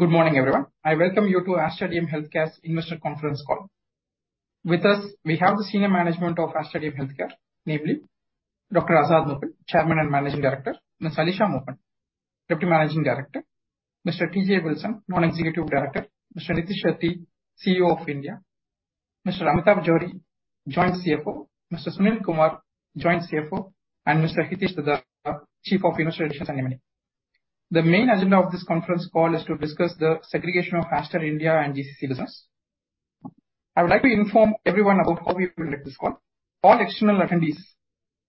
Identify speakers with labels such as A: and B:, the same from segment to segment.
A: Good morning, everyone. I welcome you to Aster DM Healthcare's Investor Conference Call. With us, we have the senior management of Aster DM Healthcare, namely Dr. Azad Moopen, Chairman and Managing Director, Ms. Alisha Moopen, Deputy Managing Director, Mr. T.J. Wilson, Non-Executive Director, Mr. Nitish Shetty, CEO of India, Mr. Amitabh Johri, Joint CFO, Mr. Sunil Kumar, Joint CFO, and Mr. Hitesh Dhaddha, Chief of Investor Relations and M&A. The main agenda of this conference call is to discuss the segregation of Aster India and GCC business. I would like to inform everyone about how we will run this call. All external attendees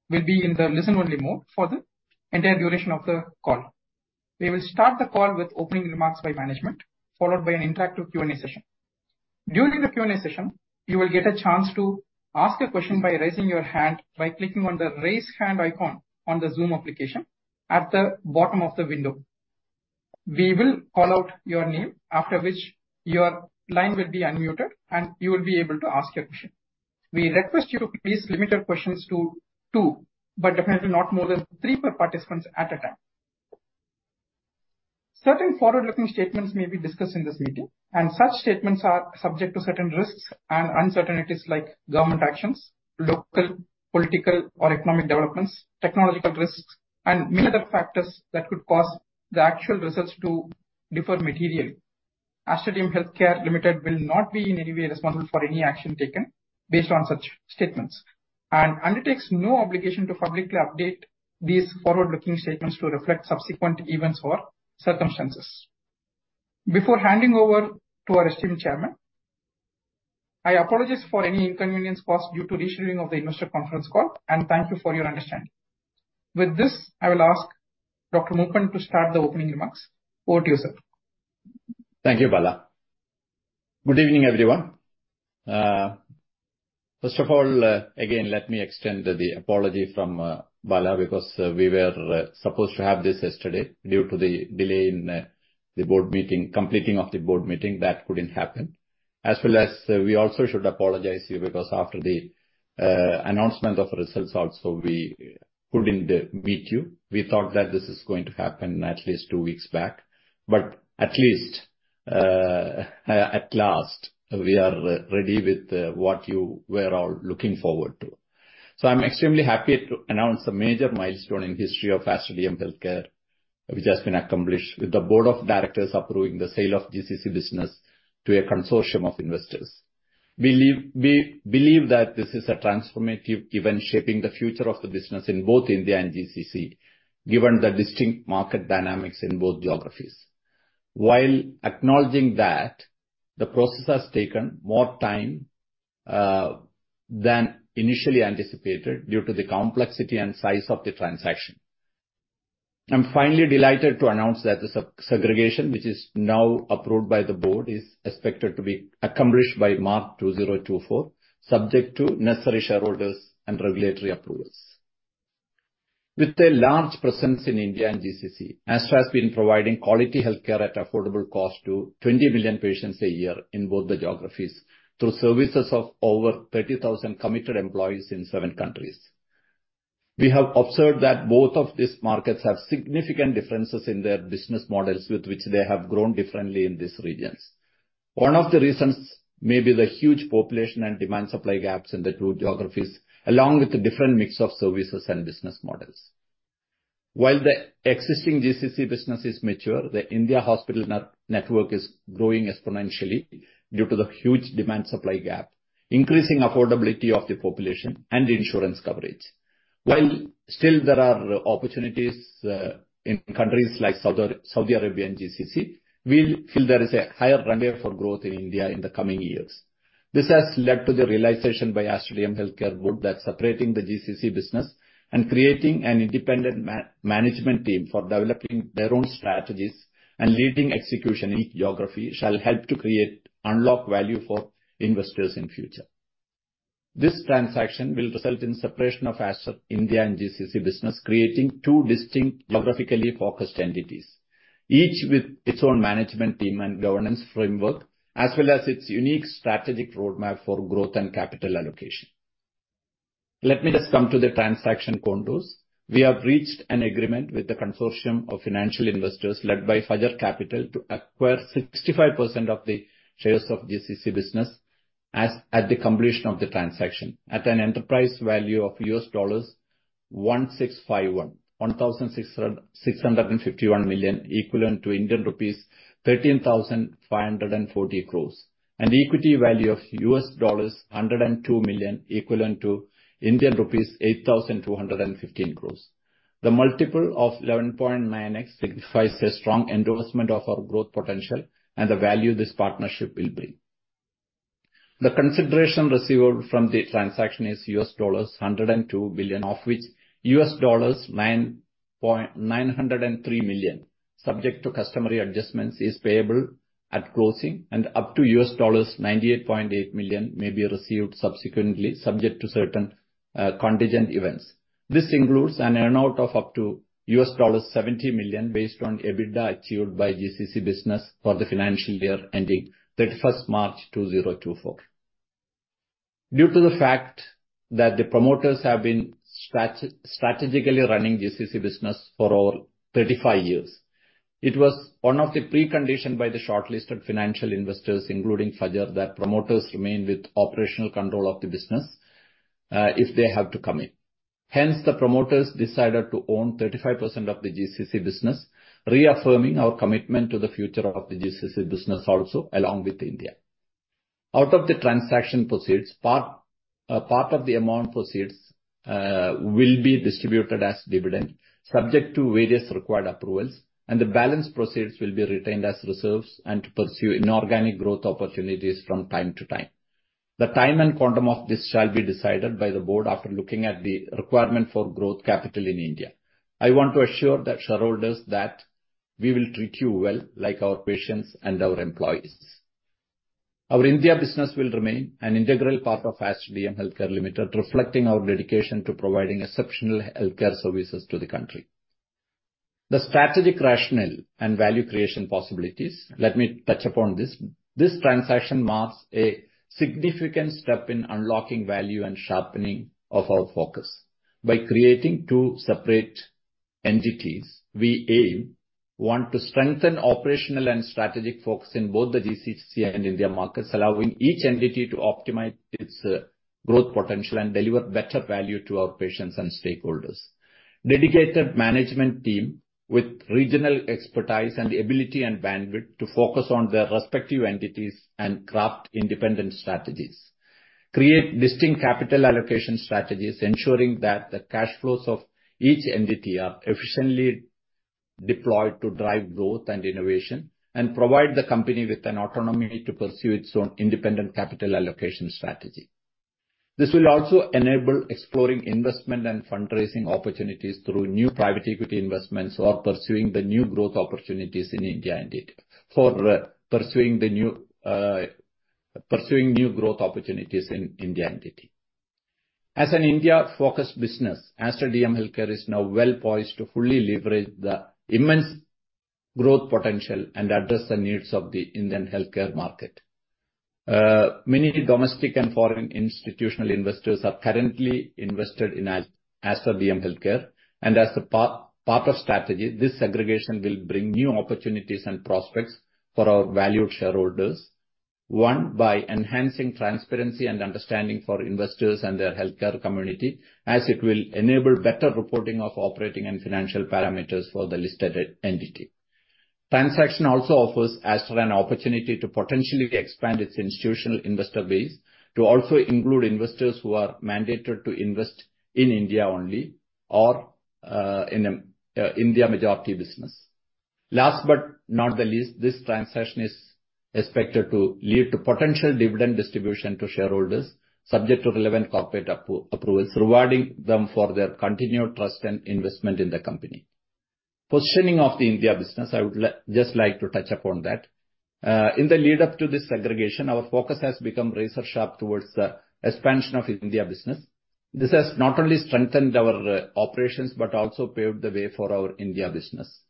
A: will be in the listen-only mode for the entire duration of the call. We will start the call with opening remarks by management, followed by an interactive Q&A session. During the Q&A session, you will get a chance to ask a question by raising your hand by clicking on the Raise Hand icon on the Zoom application at the bottom of the window. We will call out your name, after which your line will be unmuted, and you will be able to ask your question. We request you to please limit your questions to two, but definitely not more than three per participants at a time. Certain forward-looking statements may be discussed in this meeting, and such statements are subject to certain risks and uncertainties, like government actions, local political or economic developments, technological risks, and many other factors that could cause the actual results to differ materially. Aster DM Healthcare Limited will not be in any way responsible for any action taken based on such statements and undertakes no obligation to publicly update these forward-looking statements to reflect subsequent events or circumstances. Before handing over to our esteemed Chairman, I apologize for any inconvenience caused due to rescheduling of the investor conference call, and thank you for your understanding. With this, I will ask Dr. Moopen to start the opening remarks. Over to you, sir.
B: Thank you, Bala. Good evening, everyone. First of all, again, let me extend the apology from Bala, because we were supposed to have this yesterday. Due to the delay in the board meeting, completing of the board meeting, that couldn't happen. As well as we also should apologize to you, because after the announcement of results also, we couldn't meet you. We thought that this is going to happen at least two weeks back, but at least, at last, we are ready with what you were all looking forward to. So I'm extremely happy to announce a major milestone in history of Aster DM Healthcare, which has been accomplished with the board of directors approving the sale of GCC business to a consortium of investors. We believe that this is a transformative event shaping the future of the business in both India and GCC, given the distinct market dynamics in both geographies. While acknowledging that the process has taken more time than initially anticipated due to the complexity and size of the transaction, I'm finally delighted to announce that the segregation, which is now approved by the board, is expected to be accomplished by March 2024, subject to necessary shareholders and regulatory approvals. With a large presence in India and GCC, Aster has been providing quality healthcare at affordable cost to 20 million patients a year in both the geographies, through services of over 30,000 committed employees in seven countries. We have observed that both of these markets have significant differences in their business models, with which they have grown differently in these regions. One of the reasons may be the huge population and demand-supply gaps in the two geographies, along with the different mix of services and business models. While the existing GCC business is mature, the India hospital network is growing exponentially due to the huge demand-supply gap, increasing affordability of the population, and insurance coverage. While still there are opportunities in countries like Saudi, Saudi Arabia and GCC, we feel there is a higher runway for growth in India in the coming years. This has led to the realization by Aster DM Healthcare Board that separating the GCC business and creating an independent management team for developing their own strategies and leading execution in geography shall help to unlock value for investors in future. This transaction will result in separation of Aster India and GCC business, creating two distinct geographically focused entities, each with its own management team and governance framework, as well as its unique strategic roadmap for growth and capital allocation. Let me just come to the transaction contours. We have reached an agreement with the consortium of financial investors, led by Fajr Capital, to acquire 65% of the shares of GCC business as at the completion of the transaction, at an enterprise value of $1,651 million, equivalent to Indian rupees 13,540 crore. Equity value of $102 million, equivalent to Indian rupees 8,215 crore. The multiple of 11.9x signifies a strong endorsement of our growth potential and the value this partnership will bring. The consideration received from the transaction is $1.02 billion, of which $903 million, subject to customary adjustments, is payable at closing, and up to $98.8 million may be received subsequently, subject to certain contingent events. This includes an earn-out of up to $70 million, based on EBITDA achieved by GCC business for the financial year ending 31 March 2024. Due to the fact that the promoters have been strategically running GCC business for over 35 years, it was one of the preconditions by the shortlisted financial investors, including Fajr, that promoters remain with operational control of the business, if they have to come in. Hence, the promoters decided to own 35% of the GCC business, reaffirming our commitment to the future of the GCC business also, along with India. Out of the transaction proceeds, part, part of the amount proceeds, will be distributed as dividend, subject to various required approvals, and the balance proceeds will be retained as reserves and to pursue inorganic growth opportunities from time to time. The time and quantum of this shall be decided by the board after looking at the requirement for growth capital in India. I want to assure the shareholders that we will treat you well, like our patients and our employees. Our India business will remain an integral part of Aster DM Healthcare Limited, reflecting our dedication to providing exceptional healthcare services to the country. The strategic rationale and value creation possibilities, let me touch upon this. This transaction marks a significant step in unlocking value and sharpening of our focus. By creating two separate entities, we aim, one, to strengthen operational and strategic focus in both the GCC and India markets, allowing each entity to optimize its growth potential and deliver better value to our patients and stakeholders. Dedicated management team with regional expertise and the ability and bandwidth to focus on their respective entities and craft independent strategies. Create distinct capital allocation strategies, ensuring that the cash flows of each entity are efficiently deployed to drive growth and innovation, and provide the company with an autonomy to pursue its own independent capital allocation strategy. This will also enable exploring investment and fundraising opportunities through new private equity investments or pursuing the new growth opportunities in India entity. As an India-focused business, Aster DM Healthcare is now well poised to fully leverage the immense growth potential and address the needs of the Indian healthcare market. Many domestic and foreign institutional investors are currently invested in Aster DM Healthcare, and as a part of strategy, this segregation will bring new opportunities and prospects for our valued shareholders. One, by enhancing transparency and understanding for investors and their healthcare community, as it will enable better reporting of operating and financial parameters for the listed entity. Transaction also offers Aster an opportunity to potentially expand its institutional investor base to also include investors who are mandated to invest in India only, or in India majority business. Last but not the least, this transaction is expected to lead to potential dividend distribution to shareholders, subject to relevant corporate approvals, rewarding them for their continued trust and investment in the company. Positioning of the India business, I would like just like to touch upon that. In the lead up to this segregation, our focus has become razor-sharp towards the expansion of India business. This has not only strengthened our operations, but also paved the way for our India business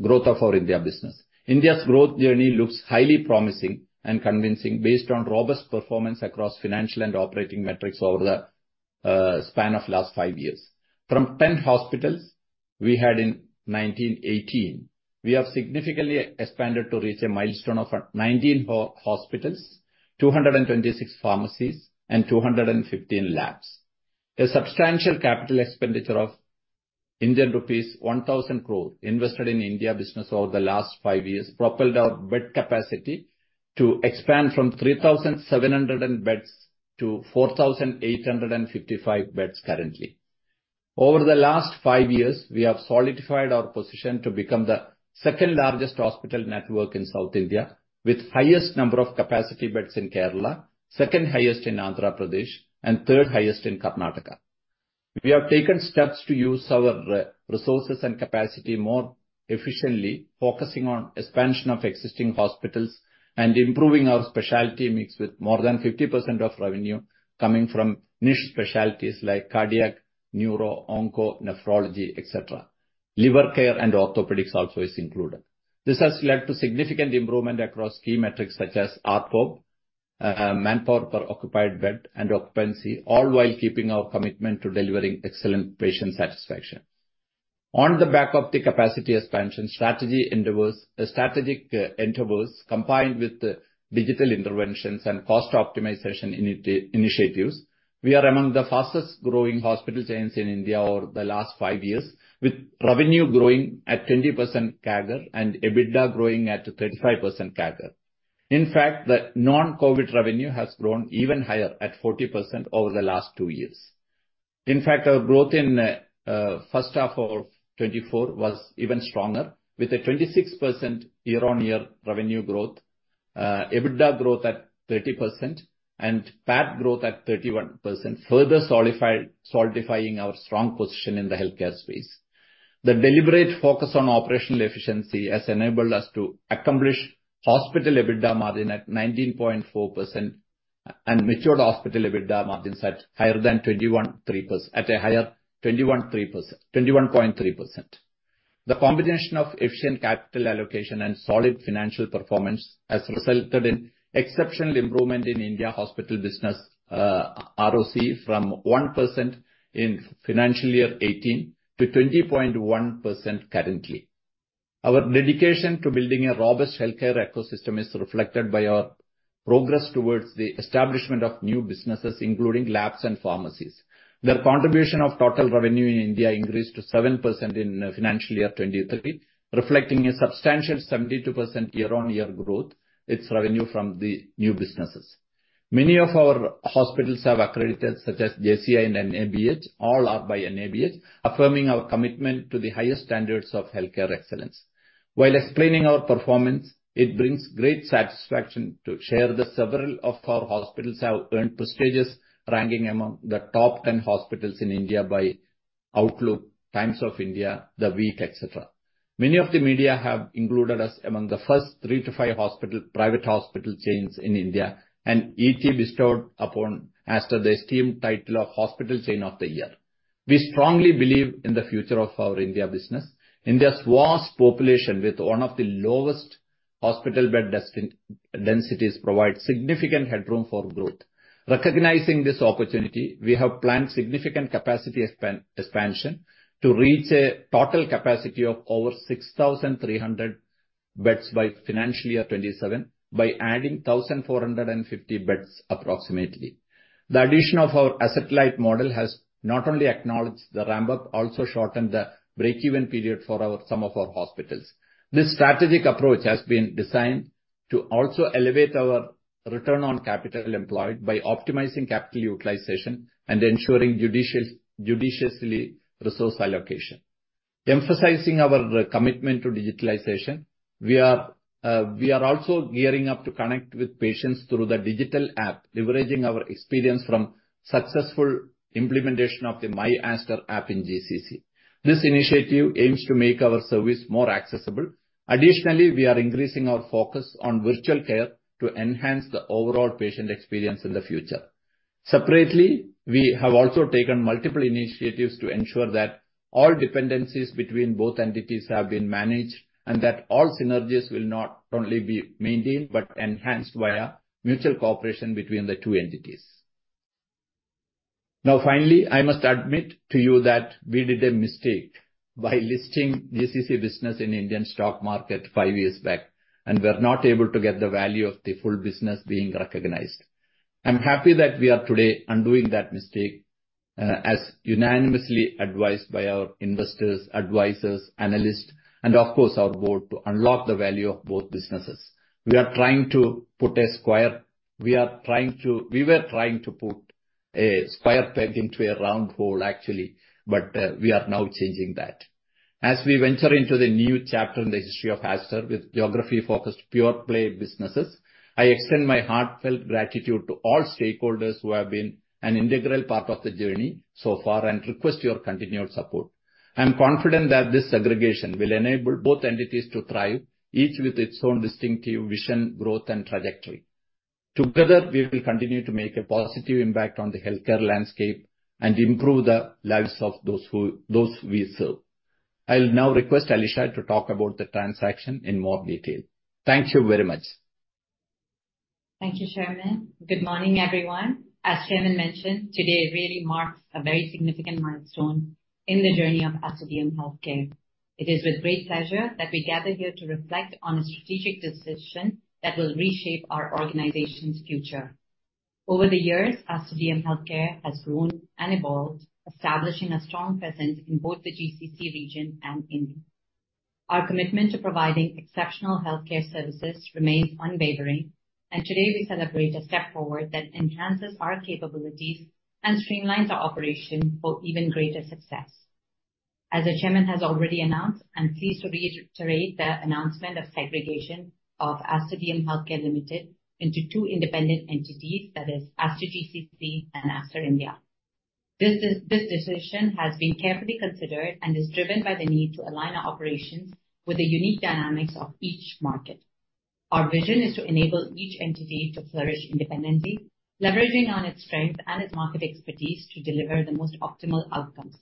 B: growth of our India business. India's growth journey looks highly promising and convincing, based on robust performance across financial and operating metrics over the span of last five years. From 10 hospitals we had in 2018, we have significantly expanded to reach a milestone of 19 hospitals, 226 pharmacies, and 215 labs. A substantial capital expenditure of Indian rupees 1,000 crore invested in India business over the last 5 years, propelled our bed capacity to expand from 3,700 beds to 4,855 beds currently. Over the last 5 years, we have solidified our position to become the second largest hospital network in South India, with highest number of capacity beds in Kerala, second highest in Andhra Pradesh, and third highest in Karnataka. We have taken steps to use our resources and capacity more efficiently, focusing on expansion of existing hospitals and improving our specialty mix, with more than 50% of revenue coming from niche specialties like cardiac, neuro, onco, nephrology, etc. Liver care and orthopedics also is included. This has led to significant improvement across key metrics such as ARPOB, manpower per occupied bed and occupancy, all while keeping our commitment to delivering excellent patient satisfaction. On the back of the capacity expansion strategic endeavors, combined with the digital interventions and cost optimization initiatives, we are among the fastest growing hospital chains in India over the last five years, with revenue growing at 20% CAGR and EBITDA growing at 35% CAGR. In fact, the non-COVID revenue has grown even higher, at 40% over the last two years. In fact, our growth in first half of 2024 was even stronger, with a 26% year-on-year revenue growth, EBITDA growth at 30%, and PAT growth at 31%, further solidifying our strong position in the healthcare space. The deliberate focus on operational efficiency has enabled us to accomplish hospital EBITDA margin at 19.4%, and matured hospital EBITDA margins at higher than 21.3%.... The combination of efficient capital allocation and solid financial performance has resulted in exceptional improvement in India hospital business, ROC from 1% in financial year 2018 to 20.1% currently. Our dedication to building a robust healthcare ecosystem is reflected by our progress towards the establishment of new businesses, including labs and pharmacies. The contribution of total revenue in India increased to 7% in financial year 2023, reflecting a substantial 72% year-on-year growth, its revenue from the new businesses. Many of our hospitals have accredited, such as JCI and NABH, all are by NABH, affirming our commitment to the highest standards of healthcare excellence. While explaining our performance, it brings great satisfaction to share that several of our hospitals have earned prestigious ranking among the top 10 hospitals in India by Outlook, Times of India, The Week, et cetera. Many of the media have included us among the first 3 to 5 hospital, private hospital chains in India, and ET bestowed upon Aster the esteemed title of Hospital Chain of the Year. We strongly believe in the future of our India business. India's vast population, with one of the lowest hospital bed densities, provide significant headroom for growth. Recognizing this opportunity, we have planned significant capacity expansion to reach a total capacity of over 6,300 beds by financial year 2027, by adding 1,450 beds, approximately. The addition of our asset-light model has not only acknowledged the ramp-up, also shortened the break-even period for our, some of our hospitals. This strategic approach has been designed to also elevate our return on capital employed by optimizing capital utilization and ensuring judicious, judiciously resource allocation. Emphasizing our commitment to digitalization, we are also gearing up to connect with patients through the digital app, leveraging our experience from successful implementation of the myAster app in GCC. This initiative aims to make our service more accessible. Additionally, we are increasing our focus on virtual care to enhance the overall patient experience in the future. Separately, we have also taken multiple initiatives to ensure that all dependencies between both entities have been managed, and that all synergies will not only be maintained but enhanced via mutual cooperation between the two entities. Now, finally, I must admit to you that we did a mistake by listing GCC business in Indian stock market five years back, and we're not able to get the value of the full business being recognized. I'm happy that we are today undoing that mistake, as unanimously advised by our investors, advisors, analysts, and of course, our board, to unlock the value of both businesses. We were trying to put a square peg into a round hole, actually, but we are now changing that. As we venture into the new chapter in the history of Aster with geography-focused, pure-play businesses, I extend my heartfelt gratitude to all stakeholders who have been an integral part of the journey so far, and request your continued support. I'm confident that this segregation will enable both entities to thrive, each with its own distinctive vision, growth, and trajectory. Together, we will continue to make a positive impact on the healthcare landscape and improve the lives of those we serve. I'll now request Alisha to talk about the transaction in more detail. Thank you very much.
C: Thank you, Chairman. Good morning, everyone. As Chairman mentioned, today really marks a very significant milestone in the journey of Aster DM Healthcare. It is with great pleasure that we gather here to reflect on a strategic decision that will reshape our organization's future. Over the years, Aster DM Healthcare has grown and evolved, establishing a strong presence in both the GCC region and India. Our commitment to providing exceptional healthcare services remains unwavering, and today we celebrate a step forward that enhances our capabilities and streamlines our operation for even greater success. As the chairman has already announced, I'm pleased to reiterate the announcement of segregation of Aster DM Healthcare Limited into two independent entities, that is, Aster GCC and Aster India. This decision has been carefully considered and is driven by the need to align our operations with the unique dynamics of each market. Our vision is to enable each entity to flourish independently, leveraging on its strength and its market expertise to deliver the most optimal outcomes.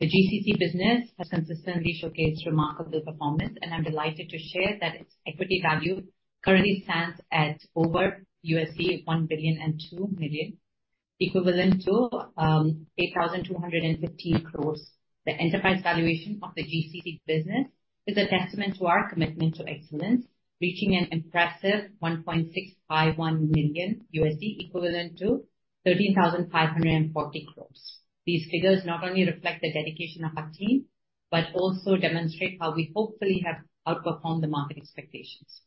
C: The GCC business has consistently showcased remarkable performance, and I'm delighted to share that its equity value currently stands at over $1.002 billion, equivalent to 8,250 crores. The enterprise valuation of the GCC business is a testament to our commitment to excellence, reaching an impressive $1.651 billion, equivalent to 13,540 crores. These figures not only reflect the dedication of our team, but also demonstrate how we hopefully have outperformed the market expectations.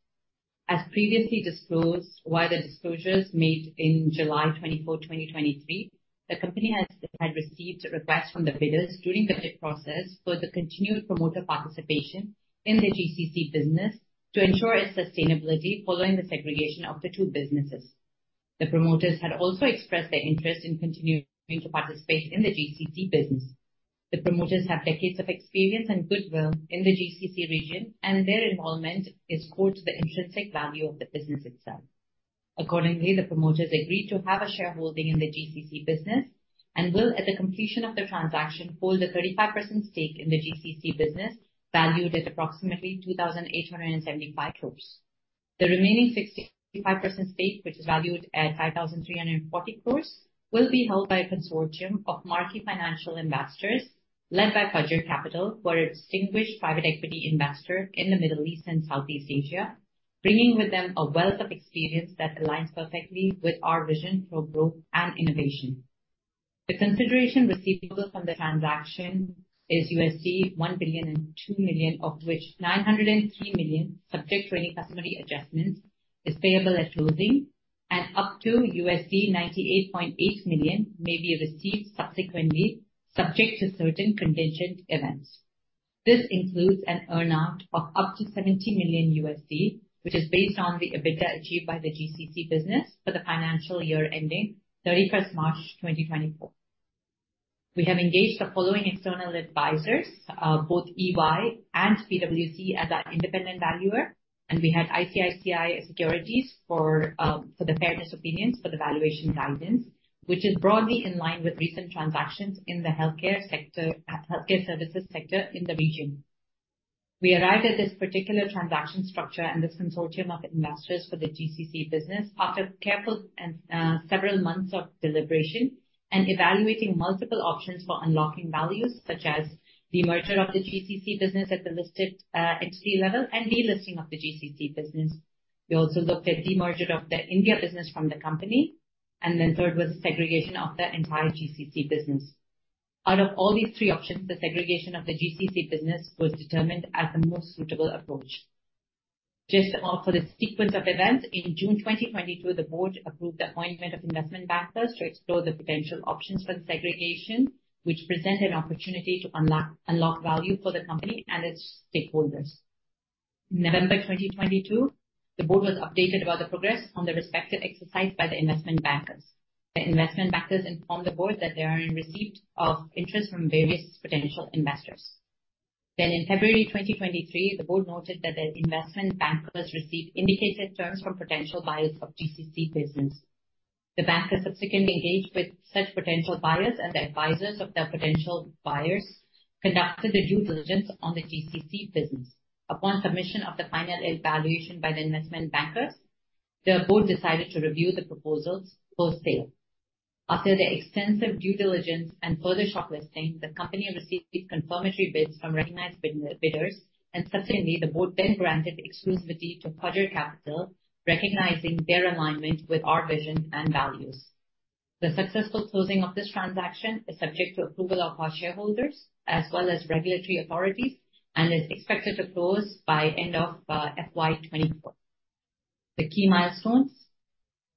C: As previously disclosed, via the disclosures made in July 24, 2023, the company has, had received requests from the bidders during the bid process for the continued promoter participation in the GCC business to ensure its sustainability following the segregation of the two businesses. The promoters had also expressed their interest in continuing to participate in the GCC business. The promoters have decades of experience and goodwill in the GCC region, and their involvement is core to the intrinsic value of the business itself.... Accordingly, the promoters agreed to have a shareholding in the GCC business and will, at the completion of the transaction, hold a 35% stake in the GCC business, valued at approximately 2,875 crore. The remaining 65% stake, which is valued at 5,340 crore, will be held by a consortium of marquee financial investors led by Fajr Capital, who are a distinguished private equity investor in the Middle East and Southeast Asia, bringing with them a wealth of experience that aligns perfectly with our vision for growth and innovation. The consideration receivable from the transaction is $1.002 billion, of which $903 million, subject to any customary adjustments, is payable at closing, and up to $98.8 million may be received subsequently, subject to certain contingent events. This includes an earn-out of up to $70 million, which is based on the EBITDA achieved by the GCC business for the financial year ending 31 March 2024. We have engaged the following external advisors, both EY and PwC, as our independent valuer, and we had ICICI Securities for, for the fairness opinions for the valuation guidance, which is broadly in line with recent transactions in the healthcare sector, healthcare services sector in the region. We arrived at this particular transaction structure and this consortium of investors for the GCC business after careful and, several months of deliberation and evaluating multiple options for unlocking values, such as demerger of the GCC business at the listed, entity level and delisting of the GCC business. We also looked at demerger of the India business from the company, and then third was segregation of the entire GCC business. Out of all these three options, the segregation of the GCC business was determined as the most suitable approach. Just now, for the sequence of events, in June 2022, the board approved the appointment of investment bankers to explore the potential options for the segregation, which present an opportunity to unlock value for the company and its stakeholders. In November 2022, the board was updated about the progress on the respective exercise by the investment bankers. The investment bankers informed the board that they are in receipt of interest from various potential investors. Then in February 2023, the board noted that the investment bankers received indicated terms from potential buyers of GCC business. The bankers subsequently engaged with such potential buyers, and the advisors of the potential buyers conducted a due diligence on the GCC business. Upon submission of the final evaluation by the investment bankers, the board decided to review the proposals for sale. After the extensive due diligence and further shortlisting, the company received these confirmatory bids from recognized bid-bidders, and subsequently, the board then granted exclusivity to Fajr Capital, recognizing their alignment with our vision and values. The successful closing of this transaction is subject to approval of our shareholders as well as regulatory authorities, and is expected to close by end of FY 2024. The key milestones: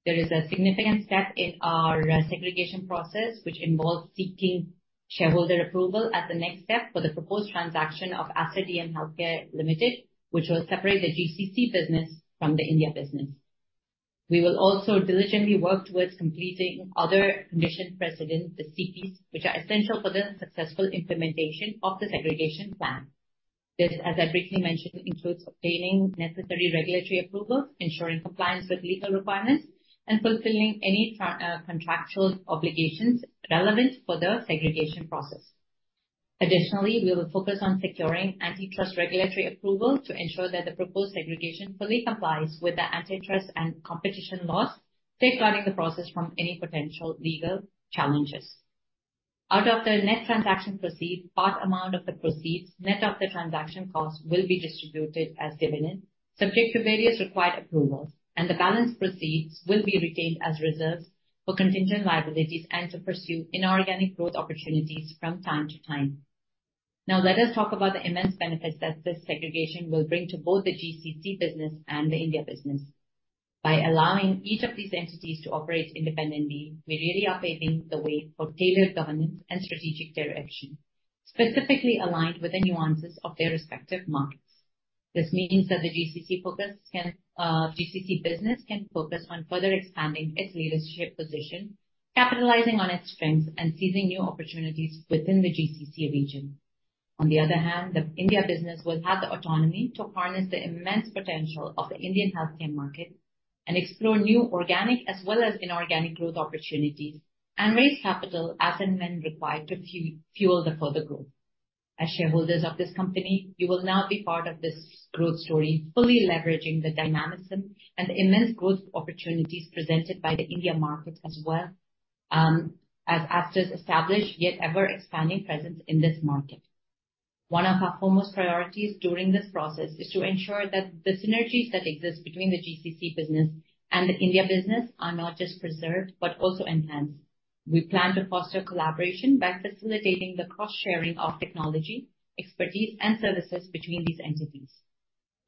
C: There is a significant step in our segregation process, which involves seeking shareholder approval as the next step for the proposed transaction of Aster DM Healthcare Limited, which will separate the GCC business from the India business. We will also diligently work towards completing other conditions precedent, the CPs, which are essential for the successful implementation of the segregation plan. This, as I briefly mentioned, includes obtaining necessary regulatory approvals, ensuring compliance with legal requirements, and fulfilling any contractual obligations relevant for the segregation process. Additionally, we will focus on securing antitrust regulatory approvals to ensure that the proposed segregation fully complies with the antitrust and competition laws, safeguarding the process from any potential legal challenges. Out of the net transaction proceeds, part amount of the proceeds, net of the transaction costs, will be distributed as dividend, subject to various required approvals, and the balance proceeds will be retained as reserves for contingent liabilities and to pursue inorganic growth opportunities from time to time. Now, let us talk about the immense benefits that this segregation will bring to both the GCC business and the India business. By allowing each of these entities to operate independently, we really are paving the way for tailored governance and strategic direction, specifically aligned with the nuances of their respective markets. This means that the GCC focus can GCC business can focus on further expanding its leadership position, capitalizing on its strengths, and seizing new opportunities within the GCC region. On the other hand, the India business will have the autonomy to harness the immense potential of the Indian healthcare market and explore new organic as well as inorganic growth opportunities, and raise capital as and when required to fuel the further growth. As shareholders of this company, you will now be part of this growth story, fully leveraging the dynamism and the immense growth opportunities presented by the India market as well, as Aster's established, yet ever-expanding presence in this market. One of our foremost priorities during this process is to ensure that the synergies that exist between the GCC business and the India business are not just preserved but also enhanced. We plan to foster collaboration by facilitating the cross-sharing of technology, expertise, and services between these entities.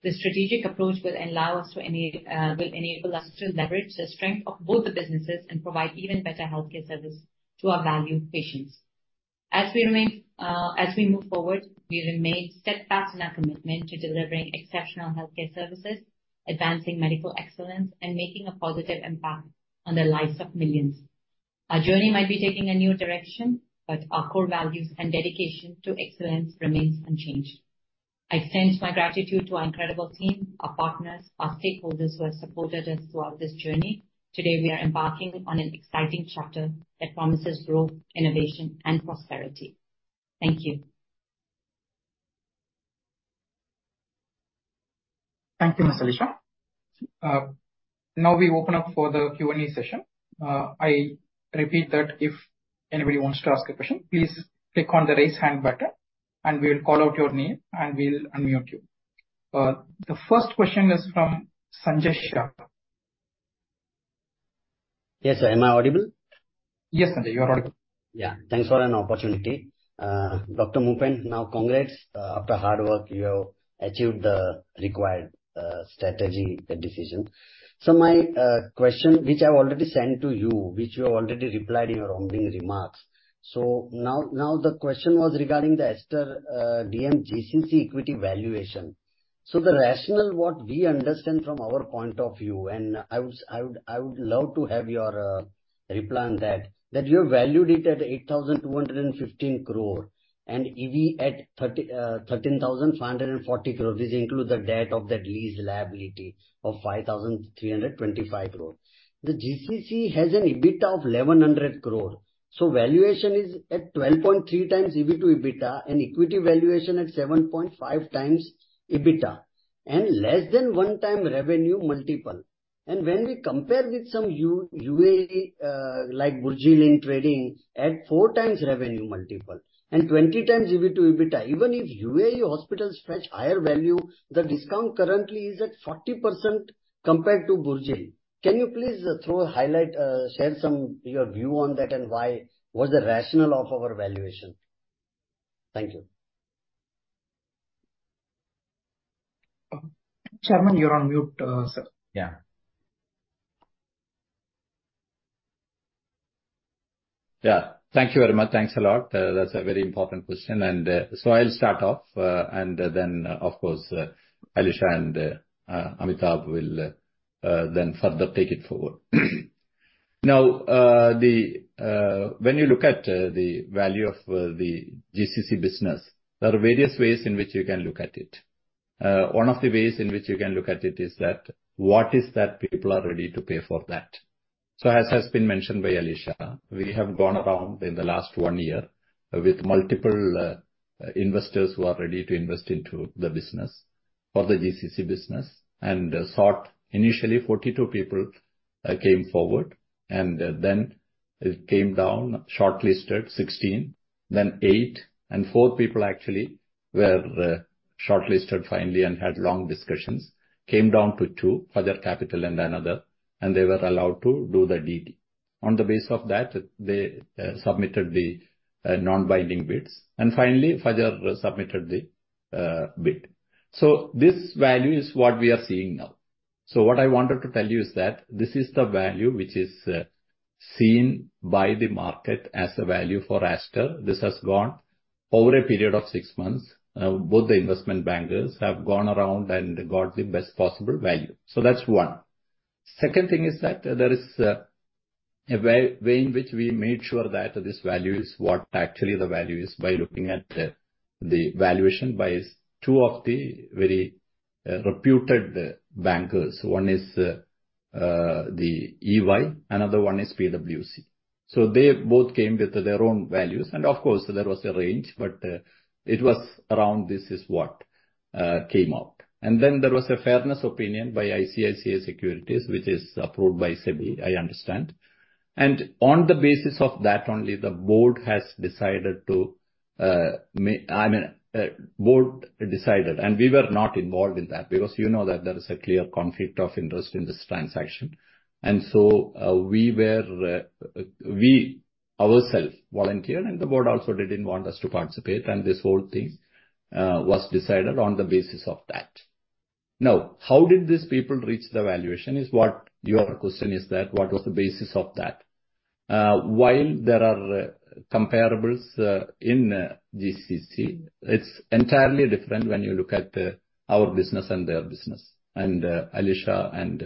C: This strategic approach will allow us to will enable us to leverage the strength of both the businesses and provide even better healthcare service to our valued patients. As we remain, as we move forward, we remain steadfast in our commitment to delivering exceptional healthcare services, advancing medical excellence, and making a positive impact on the lives of millions. Our journey might be taking a new direction, but our core values and dedication to excellence remains unchanged. I extend my gratitude to our incredible team, our partners, our stakeholders who have supported us throughout this journey. Today, we are embarking on an exciting chapter that promises growth, innovation, and prosperity. Thank you.
A: Thank you, Miss Alisha. Now we open up for the Q&A session. I repeat that if anybody wants to ask a question, please click on the Raise Hand button, and we'll call out your name, and we'll unmute you. The first question is from Sanjay Sharma.
D: Yes, sir. Am I audible?
A: Yes, Sanjay, you are audible.
D: Yeah. Thanks for an opportunity. Dr. Moopen, now congrats. After hard work, you have achieved the required strategy decision. So my question, which I've already sent to you, which you have already replied in your opening remarks. So now, now the question was regarding the Aster DM GCC equity valuation. So the rationale, what we understand from our point of view, and I would, I would love to have your reply on that, that you have valued it at 8,215 crore and EV at 13,540 crore. This includes the debt of that lease liability of 5,325 crore. The GCC has an EBITDA of 1,100 crore, so valuation is at 12.3x EV to EBITDA and equity valuation at 7.5x EBITDA, and less than 1x revenue multiple. When we compare with some UAE, like Burjeel in trading at 4x revenue multiple and 20x EV to EBITDA, even if UAE hospitals fetch higher value, the discount currently is at 40% compared to Burjeel. Can you please throw a highlight, share some of your view on that and why, what's the rationale of our valuation? Thank you.
A: Chairman, you're on mute, sir.
D: Yeah.
B: Yeah, thank you very much. Thanks a lot. That's a very important question, and so I'll start off, and then, of course, Alisha and Amitabh will then further take it forward. Now, the... When you look at the value of the GCC business, there are various ways in which you can look at it. One of the ways in which you can look at it is that what is that people are ready to pay for that? So as has been mentioned by Alisha, we have gone around in the last one year with multiple investors who are ready to invest into the business, for the GCC business, and sought initially 42 people came forward, and then it came down, shortlisted 16, then 8 and 4 people actually were shortlisted finally, and had long discussions. Came down to two, Fajr Capital and another, and they were allowed to do the DD. On the basis of that, they submitted the non-binding bids, and finally, Fajr submitted the bid. So this value is what we are seeing now. So what I wanted to tell you is that this is the value which is seen by the market as a value for Aster. This has gone over a period of six months. Both the investment bankers have gone around and got the best possible value. So that's one. Second thing is that there is a way, way in which we made sure that this value is what actually the value is by looking at the, the valuation by two of the very reputed bankers. One is the EY, another one is PwC. So they both came with their own values, and of course, there was a range, but it was around this is what came out. And then there was a fairness opinion by ICICI Securities, which is approved by SEBI, I understand. And on the basis of that, only the board has decided to make... I mean, board decided, and we were not involved in that because you know that there is a clear conflict of interest in this transaction. And so, we were, we ourself volunteered, and the board also didn't want us to participate, and this whole thing was decided on the basis of that. Now, how did these people reach the valuation is what your question is that, what was the basis of that? While there are comparables in GCC, it's entirely different when you look at our business and their business. And Alisha and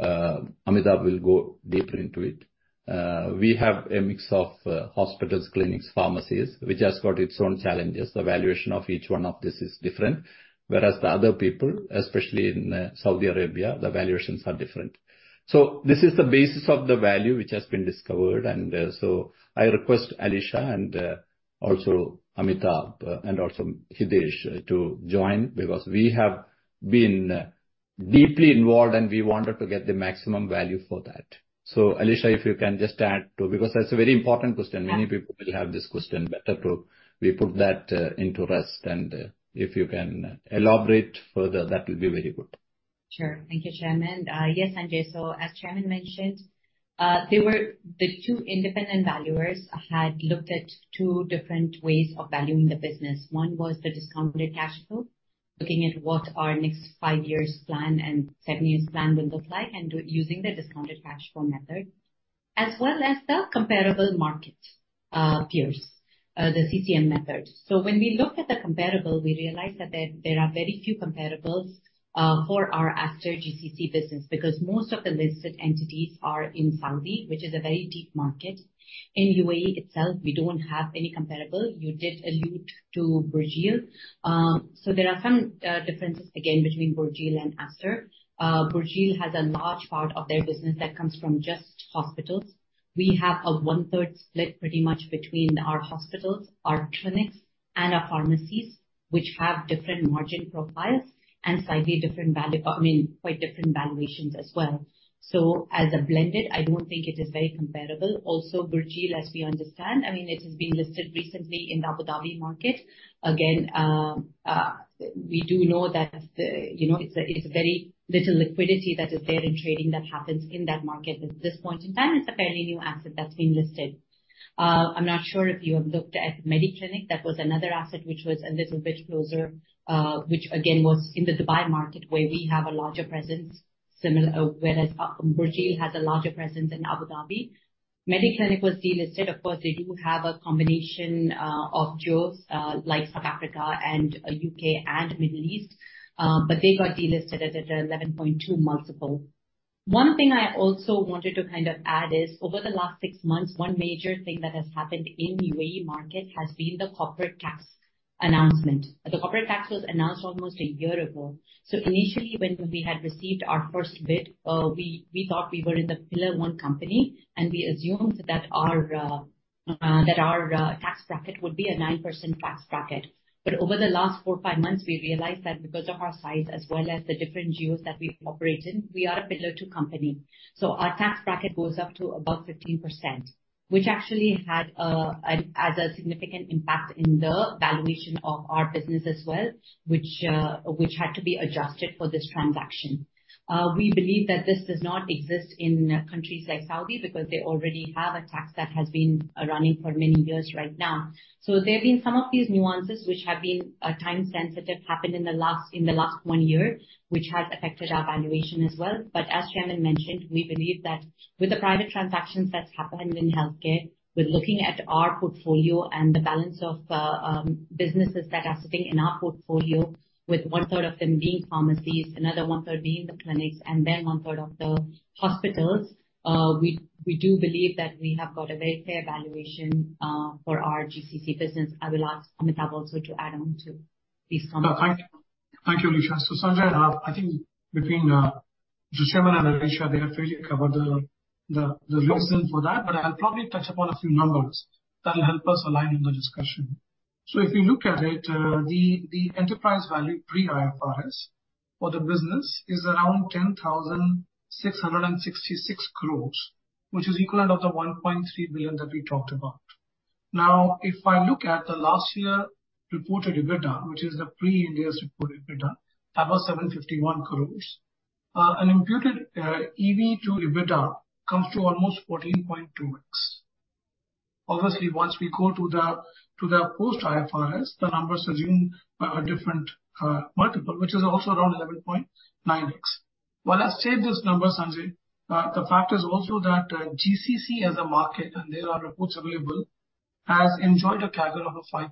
B: Amitabh will go deeper into it. We have a mix of hospitals, clinics, pharmacies, which has got its own challenges. The valuation of each one of this is different, whereas the other people, especially in Saudi Arabia, the valuations are different. So this is the basis of the value which has been discovered, and so I request Alisha and also Amitabh and also Hitesh to join, because we have been deeply involved, and we wanted to get the maximum value for that. So, Alisha, if you can just add to... Because that's a very important question.
C: Yeah.
B: Many people will have this question. Better to we put that into rest, and if you can elaborate further, that will be very good.
C: Sure. Thank you, Chairman. Yes, Sanjay. So as Chairman mentioned, there were the two independent valuers had looked at two different ways of valuing the business. One was the discounted cash flow, looking at what our next 5-year plan and 7-year plan will look like, and do it using the discounted cash flow method... As well as the comparable market, peers, the CCM method. So when we look at the comparable, we realize that there are very few comparables for our Aster GCC business, because most of the listed entities are in Saudi, which is a very deep market. In UAE itself, we don't have any comparable. You did allude to Burjeel. So there are some differences, again, between Burjeel and Aster. Burjeel has a large part of their business that comes from just hospitals. We have a 1/3 split, pretty much between our hospitals, our clinics, and our pharmacies, which have different margin profiles and slightly different, I mean, quite different valuations as well. So as a blended, I don't think it is very comparable. Also, Burjeel, as we understand, I mean, it has been listed recently in the Abu Dhabi market. Again, we do know that, you know, it's a, it's a very little liquidity that is there in trading that happens in that market at this point in time. It's a fairly new asset that's been listed. I'm not sure if you have looked at Mediclinic. That was another asset which was a little bit closer, which again, was in the Dubai market, where we have a larger presence, similar, whereas Burjeel has a larger presence in Abu Dhabi. Mediclinic was delisted. Of course, they do have a combination of geos like South Africa and U.K. and Middle East, but they got delisted at an 11.2 multiple. One thing I also wanted to kind of add is, over the last six months, one major thing that has happened in UAE market has been the corporate tax announcement. The corporate tax was announced almost a year ago. So initially, when we had received our first bid, we, we thought we were in the Pillar One company, and we assumed that our, that our tax bracket would be a 9% tax bracket. But over the last four, five months, we realized that because of our size as well as the different geos that we operate in, we are a Pillar Two company. Our tax bracket goes up to above 15%, which actually has a significant impact in the valuation of our business as well, which had to be adjusted for this transaction. We believe that this does not exist in countries like Saudi, because they already have a tax that has been running for many years right now. There have been some of these nuances which have been time sensitive, happened in the last one year, which has affected our valuation as well. But as Chairman mentioned, we believe that with the private transactions that's happened in healthcare, with looking at our portfolio and the balance of businesses that are sitting in our portfolio, with one third of them being pharmacies, another one third being the clinics, and then one third of the hospitals, we do believe that we have got a very fair valuation for our GCC business. I will ask Amitabh also to add on to these comments.
E: Thank you. Thank you, Alisha. So, Sanjay, I think between the Chairman and Alisha, they have really covered the reason for that, but I'll probably touch upon a few numbers that'll help us align in the discussion. So if you look at it, the enterprise value pre-IFRS for the business is around 10,666 crores, which is equivalent of the $1.3 billion that we talked about. Now, if I look at the last year reported EBITDA, which is the pre-India supported EBITDA, about 751 crores, an imputed EV to EBITDA comes to almost 14.2x. Obviously, once we go to the post IFRS, the numbers assume a different multiple, which is also around 11.9x. While I say these numbers, Sanjay, the fact is also that GCC as a market, and there are reports available, has enjoyed a CAGR of 5.6%-5.7%.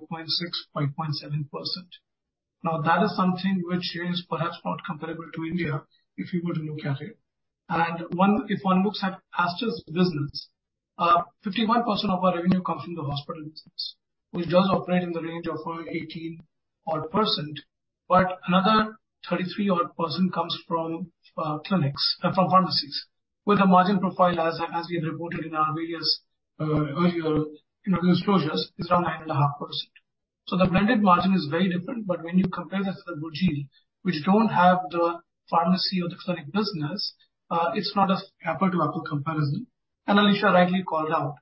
E: Now, that is something which is perhaps not comparable to India, if you were to look at it. If one looks at Aster's business, 51% of our revenue comes from the hospital business, which does operate in the range of 18% odd, but another 33% odd comes from clinics, from pharmacies, with a margin profile, as we had reported in our various earlier, you know, disclosures, is around 9.5%. So the blended margin is very different. But when you compare this to the Burjeel, which don't have the pharmacy or the clinic business, it's not an apple to apple comparison. And Alisha rightly called out,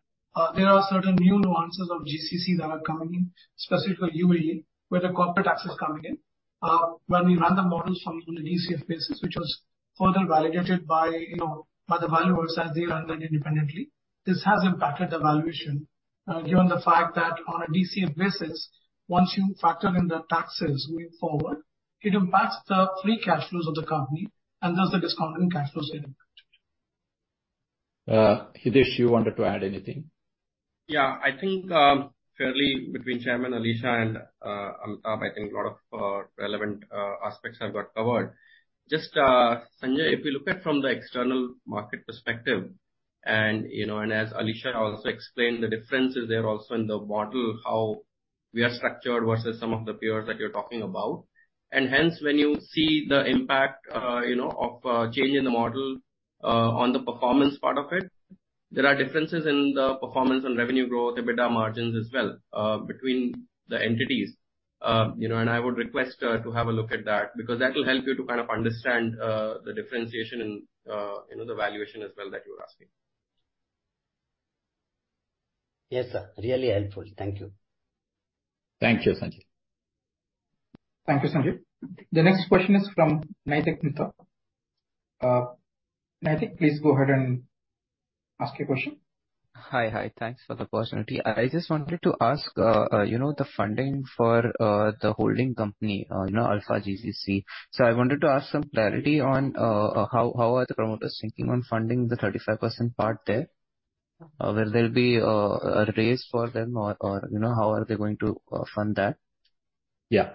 E: there are certain new nuances of GCC that are coming in, especially for UAE, where the corporate tax is coming in. When we ran the models from a DCF basis, which was further validated by, you know, by the valuers as they run them independently, this has impacted the valuation, given the fact that on a DCF basis, once you factor in the taxes going forward, it impacts the free cash flows of the company and thus the discounted cash flows are impacted.
C: Hitesh, you wanted to add anything?
F: Yeah. I think, fairly between Chairman, Alisha and Amitabh, I think a lot of relevant aspects have got covered. Just, Sanjay, if you look at from the external market perspective, and you know, and as Alisha also explained, the differences there also in the model, how we are structured versus some of the peers that you're talking about. And hence, when you see the impact, you know, of change in the model, on the performance part of it, there are differences in the performance and revenue growth, EBITDA margins as well, between the entities. You know, and I would request to have a look at that, because that will help you to kind of understand the differentiation and you know, the valuation as well that you were asking.
D: Yes, sir. Really helpful. Thank you.
C: Thank you, Sanjay.
A: Thank you, Sanjay. The next question is from Naitik Nita. Naitik, please go ahead and ask your question. Hi. Hi, thanks for the opportunity. I just wanted to ask, you know, the funding for, the holding company, you know, Aster GCC. So I wanted to ask some clarity on, how, how are the promoters thinking on funding the 35% part there? Will there be, a raise for them or, or, you know, how are they going to, fund that?
B: Yeah.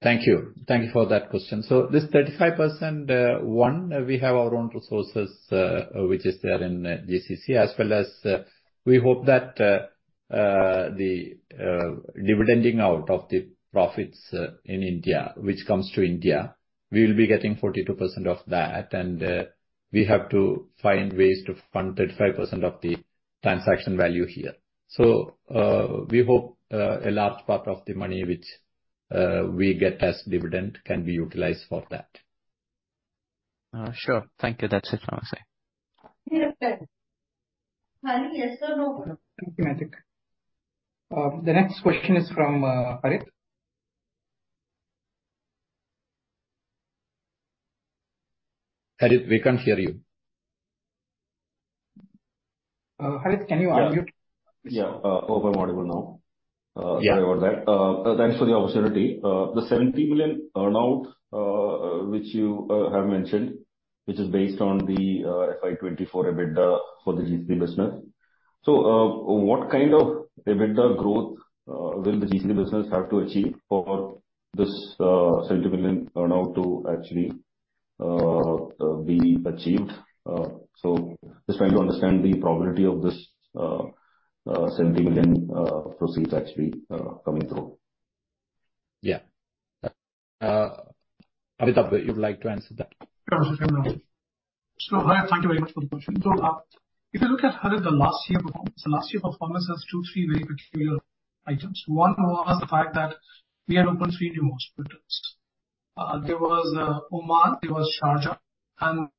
B: Thank you. Thank you for that question. So this 35%, we have our own resources, which is there in GCC as well as, we hope that the dividending out of the profits in India, which comes to India, we will be getting 42% of that. And we have to find ways to fund 35% of the transaction value here. So we hope a large part of the money which we get as dividend can be utilized for that.
G: Sure. Thank you. That's it from my side.
D: Yes or no?
A: The next question is from Harit.
B: Harit, we can't hear you.
A: Harit, can you unmute?
H: Yeah. Hope I'm audible now.
B: Yeah.
H: Sorry about that. Thanks for the opportunity. The $70 million earn-out, which you have mentioned, which is based on the FY 2024 EBITDA for the GCC business. So, what kind of EBITDA growth will the GCC business have to achieve for this $70 million earn-out to actually be achieved? So just trying to understand the probability of this $70 million proceeds actually coming through.
B: Yeah. Amitabh, you'd like to answer that?
E: Sure. So Harit, thank you very much for the question. So if you look at how is the last year performance, the last year performance has 2, 3 very peculiar items. One was the fact that we had opened 3 new hospitals. There was Oman, there was Sharjah, and so had a certain significant investments on the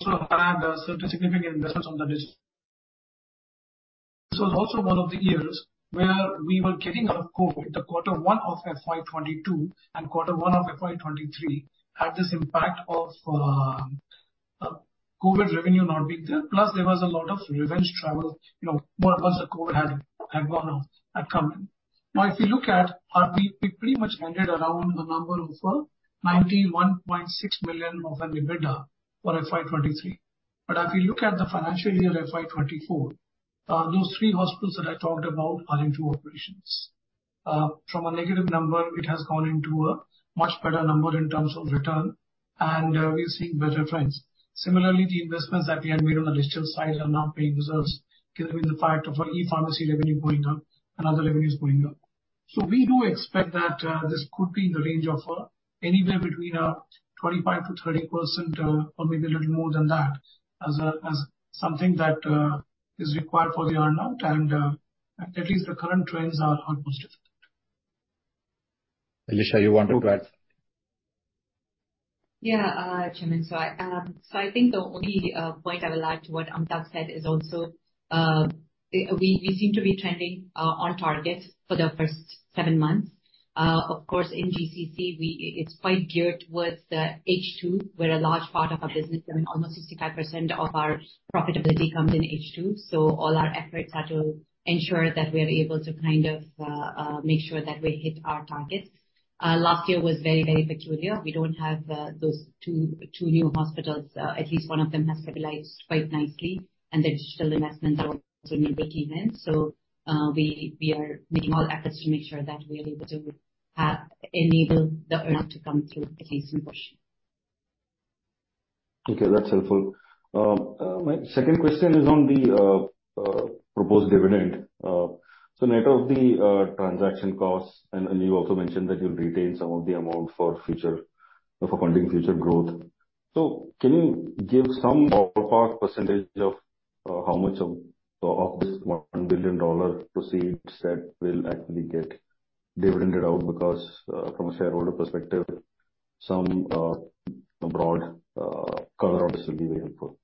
E: business. So also one of the years where we were getting out of COVID, the quarter one of FY 2022 and quarter one of FY 2023, had this impact of COVID revenue not being there. Plus, there was a lot of revenge travel, you know, once the COVID had, had gone off, had come in. Now, if you look at RP, we pretty much ended around the number of 91.6 million of an EBITDA for FY 2023. But if you look at the financial year, FY 2024, those three hospitals that I talked about are into operations. From a negative number, it has gone into a much better number in terms of return, and we are seeing better trends. Similarly, the investments that we had made on the digital side are now paying results, given the fact of our e-pharmacy revenue going up and other revenues going up. So we do expect that this could be in the range of anywhere between 25%-30%, or maybe a little more than that, as something that is required for the earn-out. And at least the current trends are positive.
B: Alisha, you want to add?
C: Yeah, Chairman. So I think the only point I would like to what Amitabh said is also, we seem to be trending on targets for the first seven months. Of course, in GCC, we—it's quite geared towards the H2, where a large part of our business, I mean, almost 65% of our profitability comes in H2. So all our efforts are to ensure that we are able to kind of make sure that we hit our targets. Last year was very, very peculiar. We don't have those two new hospitals. At least one of them has stabilized quite nicely, and the digital investments are also making in. So we are making all efforts to make sure that we are able to enable the earn-out to come through a decent portion.
H: Okay, that's helpful. My second question is on the proposed dividend. So net of the transaction costs, and you also mentioned that you'll retain some of the amount for future for funding future growth. So can you give some ballpark percentage of how much of this $1 billion proceeds that will actually get dividended out? Because from a shareholder perspective, some broad cover out will be very helpful.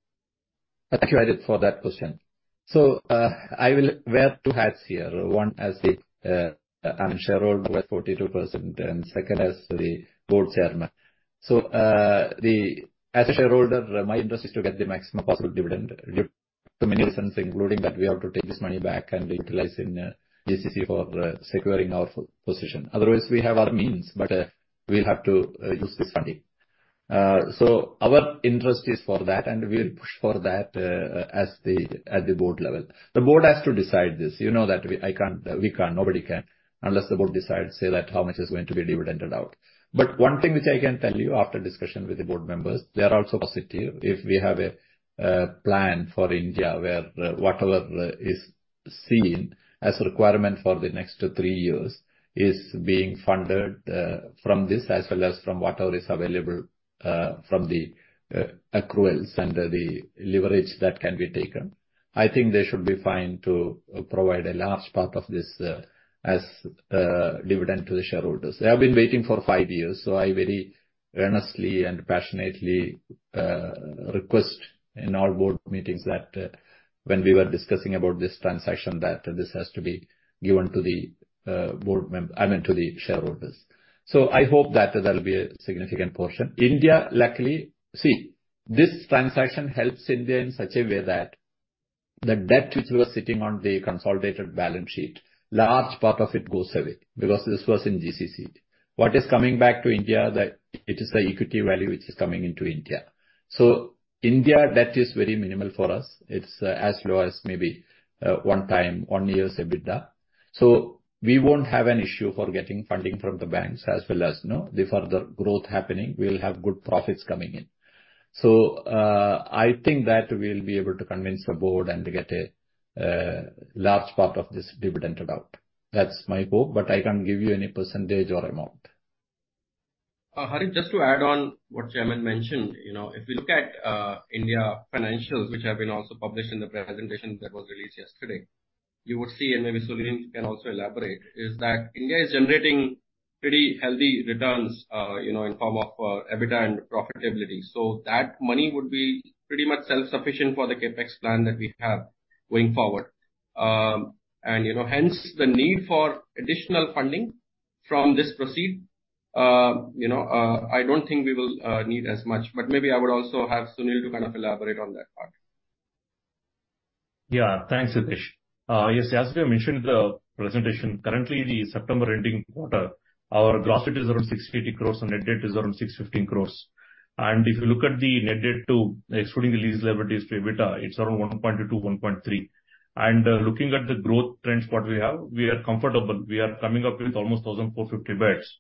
B: Thank you, Harit, for that question. So, I will wear two hats here, one as the, I'm a shareholder with 42%, and second, as the board chairman. So, as a shareholder, my interest is to get the maximum possible dividend due to many reasons, including that we have to take this money back and utilize in GCC for securing our position. Otherwise, we have our means, but we'll have to use this funding. So our interest is for that, and we'll push for that as the... at the board level. The board has to decide this. You know that I can't, we can't, nobody can, unless the board decides, say, that how much is going to be dividended out. But one thing which I can tell you after discussion with the board members, they are also positive if we have a plan for India, where whatever is seen as a requirement for the next three years is being funded from this, as well as from whatever is available from the accruals and the leverage that can be taken. I think they should be fine to provide a large part of this as dividend to the shareholders. They have been waiting for five years, so I very earnestly and passionately request in our board meetings that when we were discussing about this transaction, that this has to be given to the board member—I mean, to the shareholders. So I hope that there'll be a significant portion. India, luckily... See, this transaction helps India in such a way that-... The debt which was sitting on the consolidated balance sheet, large part of it goes away because this was in GCC. What is coming back to India, that it is the equity value which is coming into India. So India, debt is very minimal for us. It's as low as maybe 1x one year's EBITDA. So we won't have an issue for getting funding from the banks as well as, you know, the further growth happening, we'll have good profits coming in. So, I think that we'll be able to convince the board and get a large part of this dividended out. That's my hope, but I can't give you any percentage or amount.
I: Hari, just to add on what Chairman mentioned, you know, if you look at, India financials, which have been also published in the presentation that was released yesterday, you would see, and maybe Sunil can also elaborate, is that India is generating pretty healthy returns, you know, in form of, EBITDA and profitability. So that money would be pretty much self-sufficient for the CapEx plan that we have going forward. And, you know, hence, the need for additional funding from this proceed, you know, I don't think we will need as much, but maybe I would also have Sunil to kind of elaborate on that part.
J: Yeah. Thanks, Nitish. Yes, as we mentioned in the presentation, currently, the September ending quarter, our gross debt is around 680 crores and net debt is around 615 crores. And if you look at the net debt to excluding the lease liabilities to EBITDA, it's around 1.2-1.3. And looking at the growth trends what we have, we are comfortable. We are coming up with almost 1,450 beds,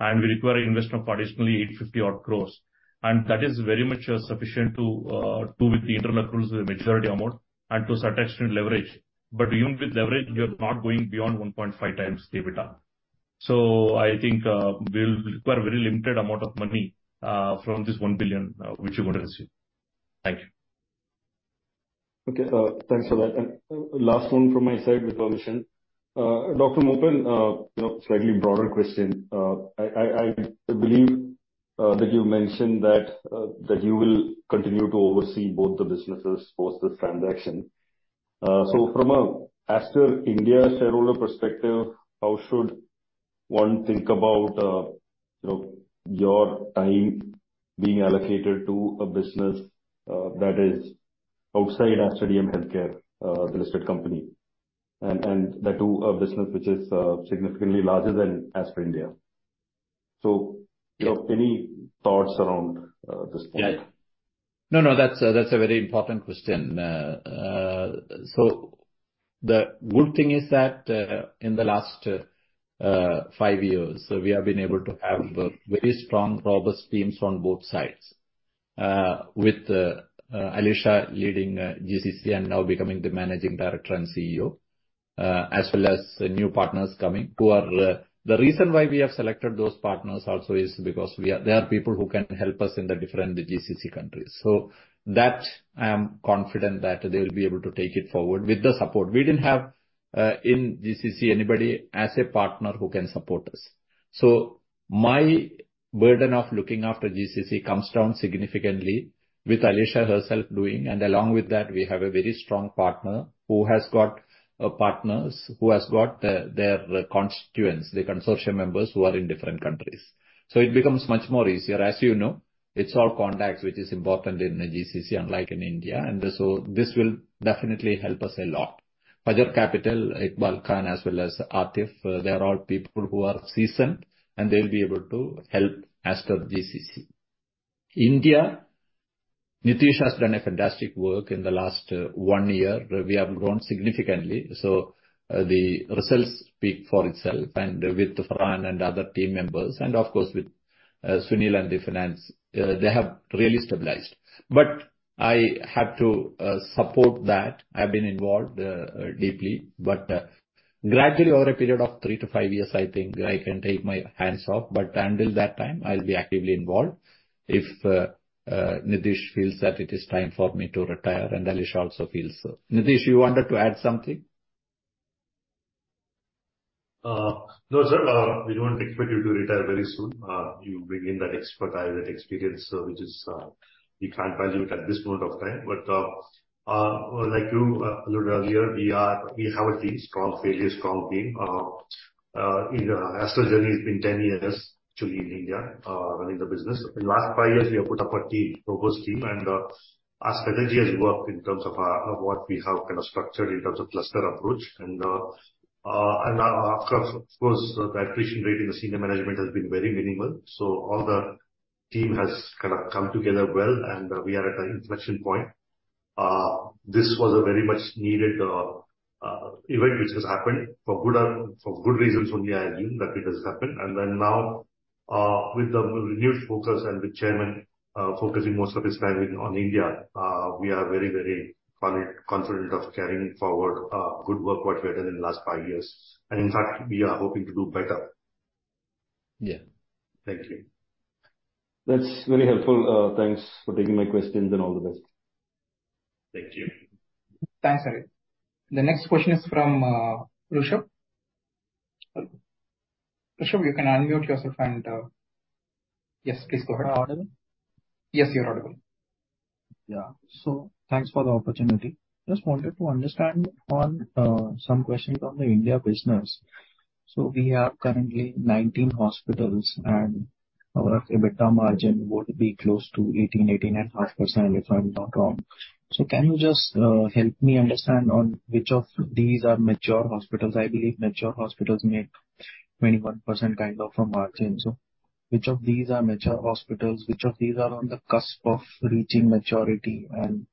J: and we require investment of additionally 850 odd crores. And that is very much sufficient to do with the internal accruals the majority amount and to a certain extent leverage. But even with leverage, we are not going beyond 1.5x EBITDA. So I think we'll require very limited amount of money from this $1 billion, which we're going to receive. Thank you.
H: Okay, thanks for that. And last one from my side, with permission. Dr. Moopen, you know, slightly broader question. I believe that you mentioned that you will continue to oversee both the businesses post this transaction. So from an Aster India shareholder perspective, how should one think about, you know, your time being allocated to a business that is outside Aster DM Healthcare, the listed company, and the two business which is significantly larger than Aster India? So, you know, any thoughts around this point?
B: Yeah. No, no, that's a, that's a very important question. So the good thing is that, in the last, five years, we have been able to have, very strong, robust teams on both sides. With, Alisha leading GCC and now becoming the Managing Director and CEO, as well as new partners coming, who are... The reason why we have selected those partners also is because we are- they are people who can help us in the different GCC countries. So that I am confident that they will be able to take it forward with the support. We didn't have, in GCC, anybody as a partner who can support us. So my burden of looking after GCC comes down significantly with Alisha herself doing, and along with that, we have a very strong partner who has got partners, who has got their constituents, the consortium members who are in different countries. So it becomes much more easier. As you know, it's all contacts which is important in the GCC, unlike in India, and so this will definitely help us a lot. Fajr Capital, Iqbal Khan, as well as Atif, they are all people who are seasoned, and they'll be able to help Aster GCC. India, Nitish has done a fantastic work in the last one year. We have grown significantly, so the results speak for itself. And with Farhan and other team members, and of course, with Sunil and the finance, they have really stabilized. But I have to support that. I've been involved deeply, but gradually, over a period of 3-5 years, I think I can take my hands off. But until that time, I'll be actively involved. If Nitish feels that it is time for me to retire and Alisha also feels so. Nitish, you wanted to add something?
I: No, sir, we don't expect you to retire very soon. You bring in that expertise and experience, which is, we can't value it at this point of time. But, like you alluded earlier, we have a strong, very strong team. You know, Aster journey has been 10 years actually in India, running the business. In last 5 years, we have put up a team, robust team, and our strategy has worked in terms of, of what we have kind of structured in terms of cluster approach. And, and of course, the attrition rate in the senior management has been very minimal. So all the team has kind of come together well, and we are at an inflection point. This was a very much needed event which has happened. For good, for good reasons only, I assume that it has happened. Then now, with the renewed focus and with Chairman focusing most of his time on India, we are very, very confident of carrying forward, good work what we have done in the last five years. In fact, we are hoping to do better.
B: Yeah.
I: Thank you.
H: That's very helpful. Thanks for taking my questions, and all the best.
I: Thank you.
A: Thanks, Hari. The next question is from, Rishabh. Rishabh, you can unmute yourself and... Yes, please go ahead. Audible? Yes, you're audible.
K: Yeah. So thanks for the opportunity. Just wanted to understand on some questions on the India business. So we are currently 19 hospitals, and our EBITDA margin would be close to 18%-18.5%, if I'm not wrong. So can you just help me understand on which of these are mature hospitals? I believe mature hospitals make 21% kind of a margin. So which of these are mature hospitals? Which of these are on the cusp of reaching maturity? And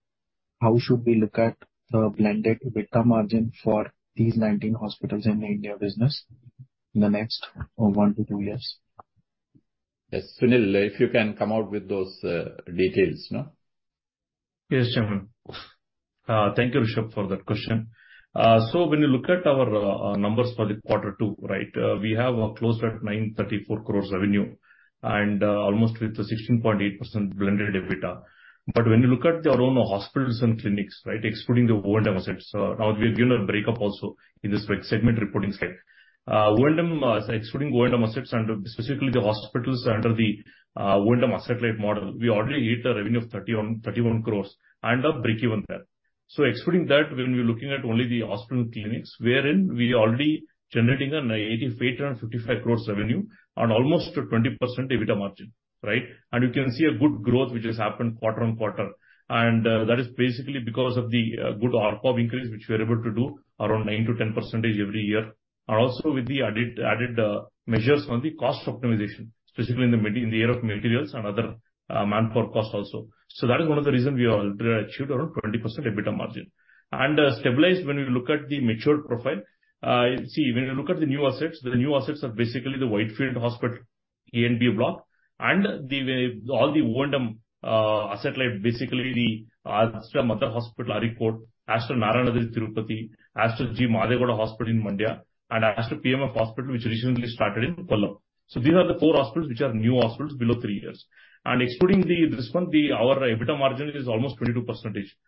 K: how should we look at the blended EBITDA margin for these 19 hospitals in the India business in the next 1-2 years?
F: Yes, Sunil, if you can come out with those details, no?
J: Yes, Chairman. Thank you, Rishab, for that question. So when you look at our numbers for Q2, right, we have closed at 934 crore revenue and almost with a 16.8% blended EBITDA. When you look at our own hospitals and clinics, right, excluding the O&M assets, now we have given a breakup also in this segment reporting slide. Excluding O&M assets and specifically the hospitals under the O&M asset-light model, we already hit a revenue of 31 crore and are breakeven there. So excluding that, when we're looking at only the hospital clinics, wherein we already generating an 88.55 crore revenue on almost a 20% EBITDA margin, right? You can see a good growth which has happened quarter-on-quarter. That is basically because of the good ARPOB increase, which we are able to do around 9%-10% every year, and also with the added measures on the cost optimization, specifically in the meds, in the area of materials and other manpower costs also. So that is one of the reasons we have achieved around 20% EBITDA margin. Stabilized when we look at the mature profile, when you look at the new assets, the new assets are basically the Aster Whitefield Hospital, A&B block, and all the O&M asset-light, basically the Aster MIMS Hospital, Calicut, Aster Narayanadri Tirupati, Aster G Madegowda Hospital in Mandya, and Aster PMF Hospital, which recently started in Kollam. So these are the four hospitals, which are new hospitals below three years. Excluding this one, our EBITDA margin is almost 22%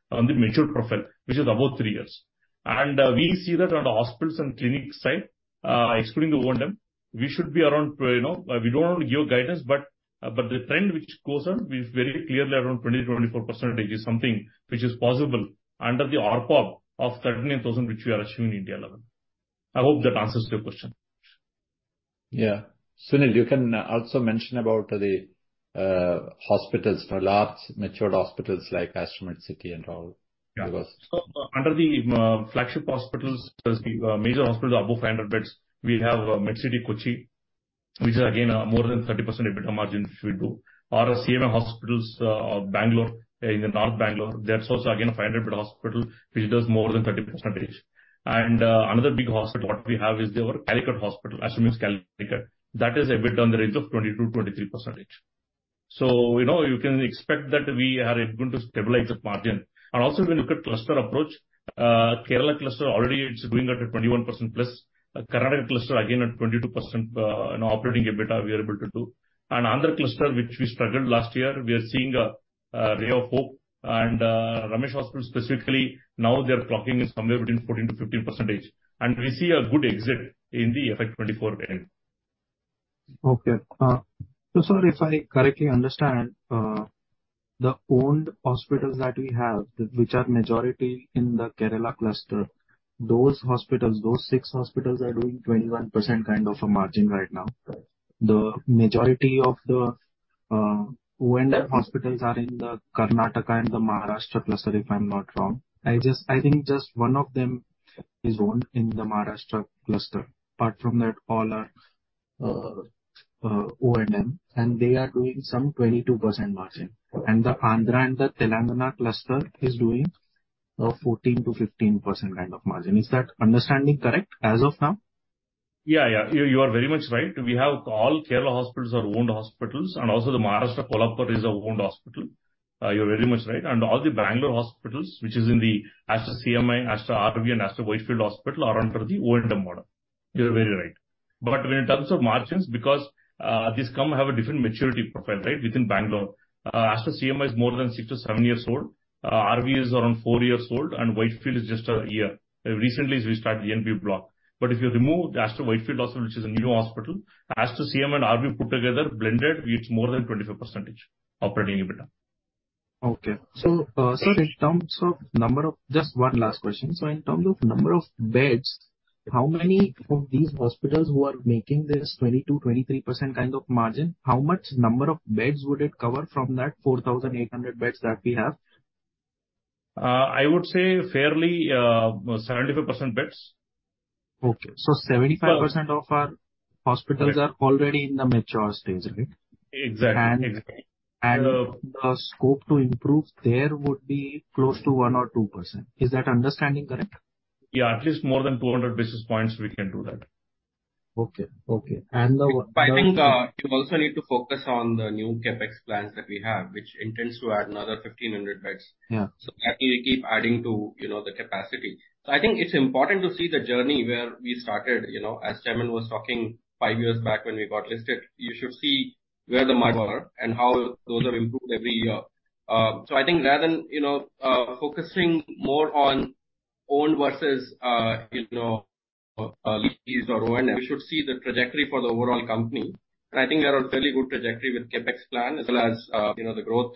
J: on the mature profile, which is above three years. We see that on the hospitals and clinics side, excluding the O&M, we should be around, you know, we don't want to give guidance, but, but the trend which goes on is very clearly around 20%-24% is something which is possible under the ARPOB of 13,000, which we are assuming in India level. I hope that answers your question.
F: Yeah. Sunil, you can also mention about the hospitals, the large matured hospitals like Aster Medcity and all.
J: Yeah.
F: Because-
J: So under the flagship hospitals, as the major hospitals above 500 beds, we have Aster Medcity Kochi, which is again more than 30% EBITDA margin which we do, or Aster CMI Hospital of Bangalore, in the North Bangalore. That's also again, a 500-bed hospital, which does more than 30%. And another big hospital what we have is our Calicut hospital, Aster Medcity Calicut. That is EBITDA on the range of 20%-23%. So you know, you can expect that we are going to stabilize the margin. And also when you look at cluster approach, Kerala cluster already it's doing at a 21%+. Karnataka cluster, again, at 22%, in operating EBITDA, we are able to do. And Andhra cluster, which we struggled last year, we are seeing a ray of hope. Dr. Ramesh Hospitals specifically, now they are clocking in somewhere between 14%-15%, and we see a good exit in the FY 2024 end.
K: Okay. So, sir, if I correctly understand, the owned hospitals that we have, which are majority in the Kerala cluster, those hospitals, those six hospitals are doing 21% kind of a margin right now.
J: Right.
K: The majority of the O&M hospitals are in the Karnataka and the Maharashtra cluster, if I'm not wrong. I just, I think just one of them is owned in the Maharashtra cluster. Apart from that, all are O&M, and they are doing some 22% margin. And the Andhra and the Telangana cluster is doing a 14%-15% kind of margin. Is that understanding correct, as of now?
J: Yeah, yeah, you, you are very much right. We have all Kerala hospitals are owned hospitals, and also the Maharashtra Kolhapur is a owned hospital. You're very much right. And all the Bangalore hospitals, which is in the Aster CMI, Aster RV, and Aster Whitefield Hospital are under the O&M model. You're very right. But in terms of margins, because, these come have a different maturity profile, right? Within Bangalore, Aster CMI is more than 6-7 years old, RV is around 4 years old, and Whitefield is just a year. Recently, we started the A&B block. But if you remove the Aster Whitefield Hospital, which is a new hospital, Aster CMI and RV put together, blended, it's more than 25% operating EBITDA.
K: Okay. Sir, in terms of number of... Just one last question. So in terms of number of beds, how many of these hospitals who are making this 22%-23% kind of margin, how much number of beds would it cover from that 4,800 beds that we have?
J: I would say fairly, 75% beds.
K: Okay. So 75%-
J: Yeah.
K: Of our hospitals are already in the mature stage, right?
J: Exactly.
K: And,
J: Exactly.
K: The scope to improve there would be close to 1%-2%. Is that understanding correct?
J: Yeah, at least more than 200 basis points we can do that.
K: Okay, okay. And the-
F: I think, you also need to focus on the new CapEx plans that we have, which intends to add another 1,500 beds.
K: Yeah.
F: So that will keep adding to, you know, the capacity. So I think it's important to see the journey where we started, you know, as Chairman was talking five years back when we got listed, you should see where the marks are and how those are improved every year. So I think rather than, you know, focusing more on owned versus, you know, lease or O&M, we should see the trajectory for the overall company.... And I think we are on a fairly good trajectory with CapEx plan, as well as, you know, the growth,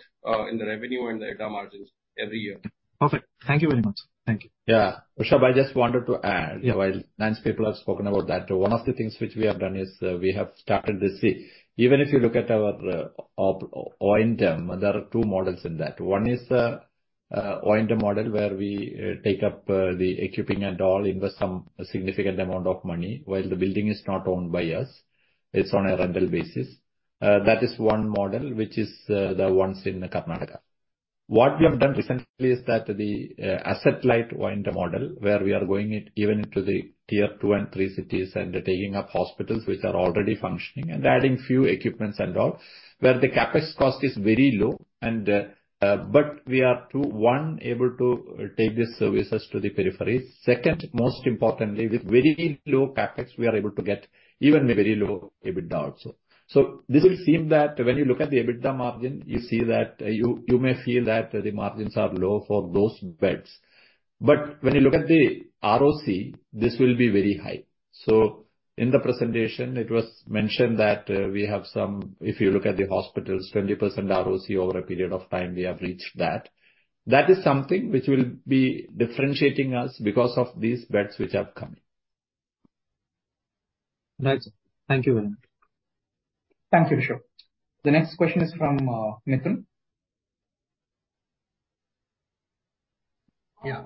F: in the revenue and the EBITDA margins every year.
D: Perfect. Thank you very much. Thank you.
B: Yeah. Rishab, I just wanted to add-
D: Yeah.
B: While finance people have spoken about that, one of the things which we have done is, we have started to see, even if you look at our O&M model, there are two models in that. One is O&M model, where we take up the equipping and all, invest some significant amount of money, while the building is not owned by us, it's on a rental basis. That is one model, which is the ones in Karnataka. What we have done recently is that the asset-light O&M model, where we are going it even into the tier two and three cities, and taking up hospitals which are already functioning, and adding few equipment and all, where the CapEx cost is very low, and. But we are able to take the services to the peripheries. Second, most importantly, with very low CapEx, we are able to get even very low EBITDA also. So this will seem that when you look at the EBITDA margin, you see that, you may feel that the margins are low for those beds. But when you look at the ROC, this will be very high. So in the presentation, it was mentioned that, we have some. If you look at the hospitals, 20% ROC over a period of time, we have reached that. That is something which will be differentiating us because of these beds which are coming.
D: Nice. Thank you very much. Thank you, Rishab. The next question is from, Mithun.
L: Yeah.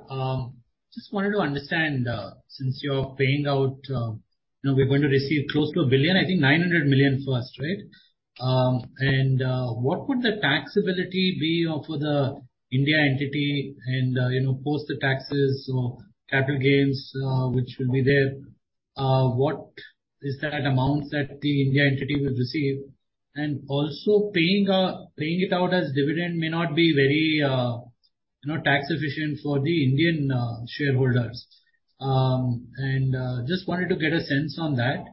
L: Just wanted to understand, since you're paying out, you know, we're going to receive close to $1 billion, I think $900 million first, right? And, what would the taxability be for the India entity and, you know, post the taxes or capital gains, which will be there, what is that amount that the India entity will receive? And also, paying, paying it out as dividend may not be very, you know, tax efficient for the Indian shareholders. And, just wanted to get a sense on that.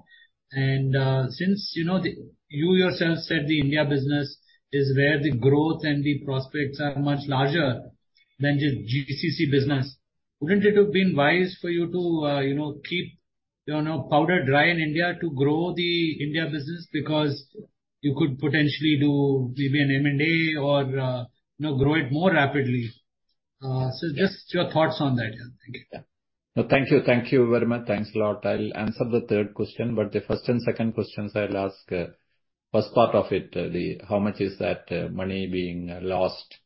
L: And, since you know you yourself said the India business is where the growth and the prospects are much larger than the GCC business, wouldn't it have been wise for you to, you know, keep, you know, powder dry in India to grow the India business? Because you could potentially do maybe an M&A or, you know, grow it more rapidly. So just your thoughts on that. Thank you.
B: Yeah. Thank you. Thank you very much. Thanks a lot. I'll answer the third question, but the first and second questions, I'll ask first part of it, the how much is that money being lost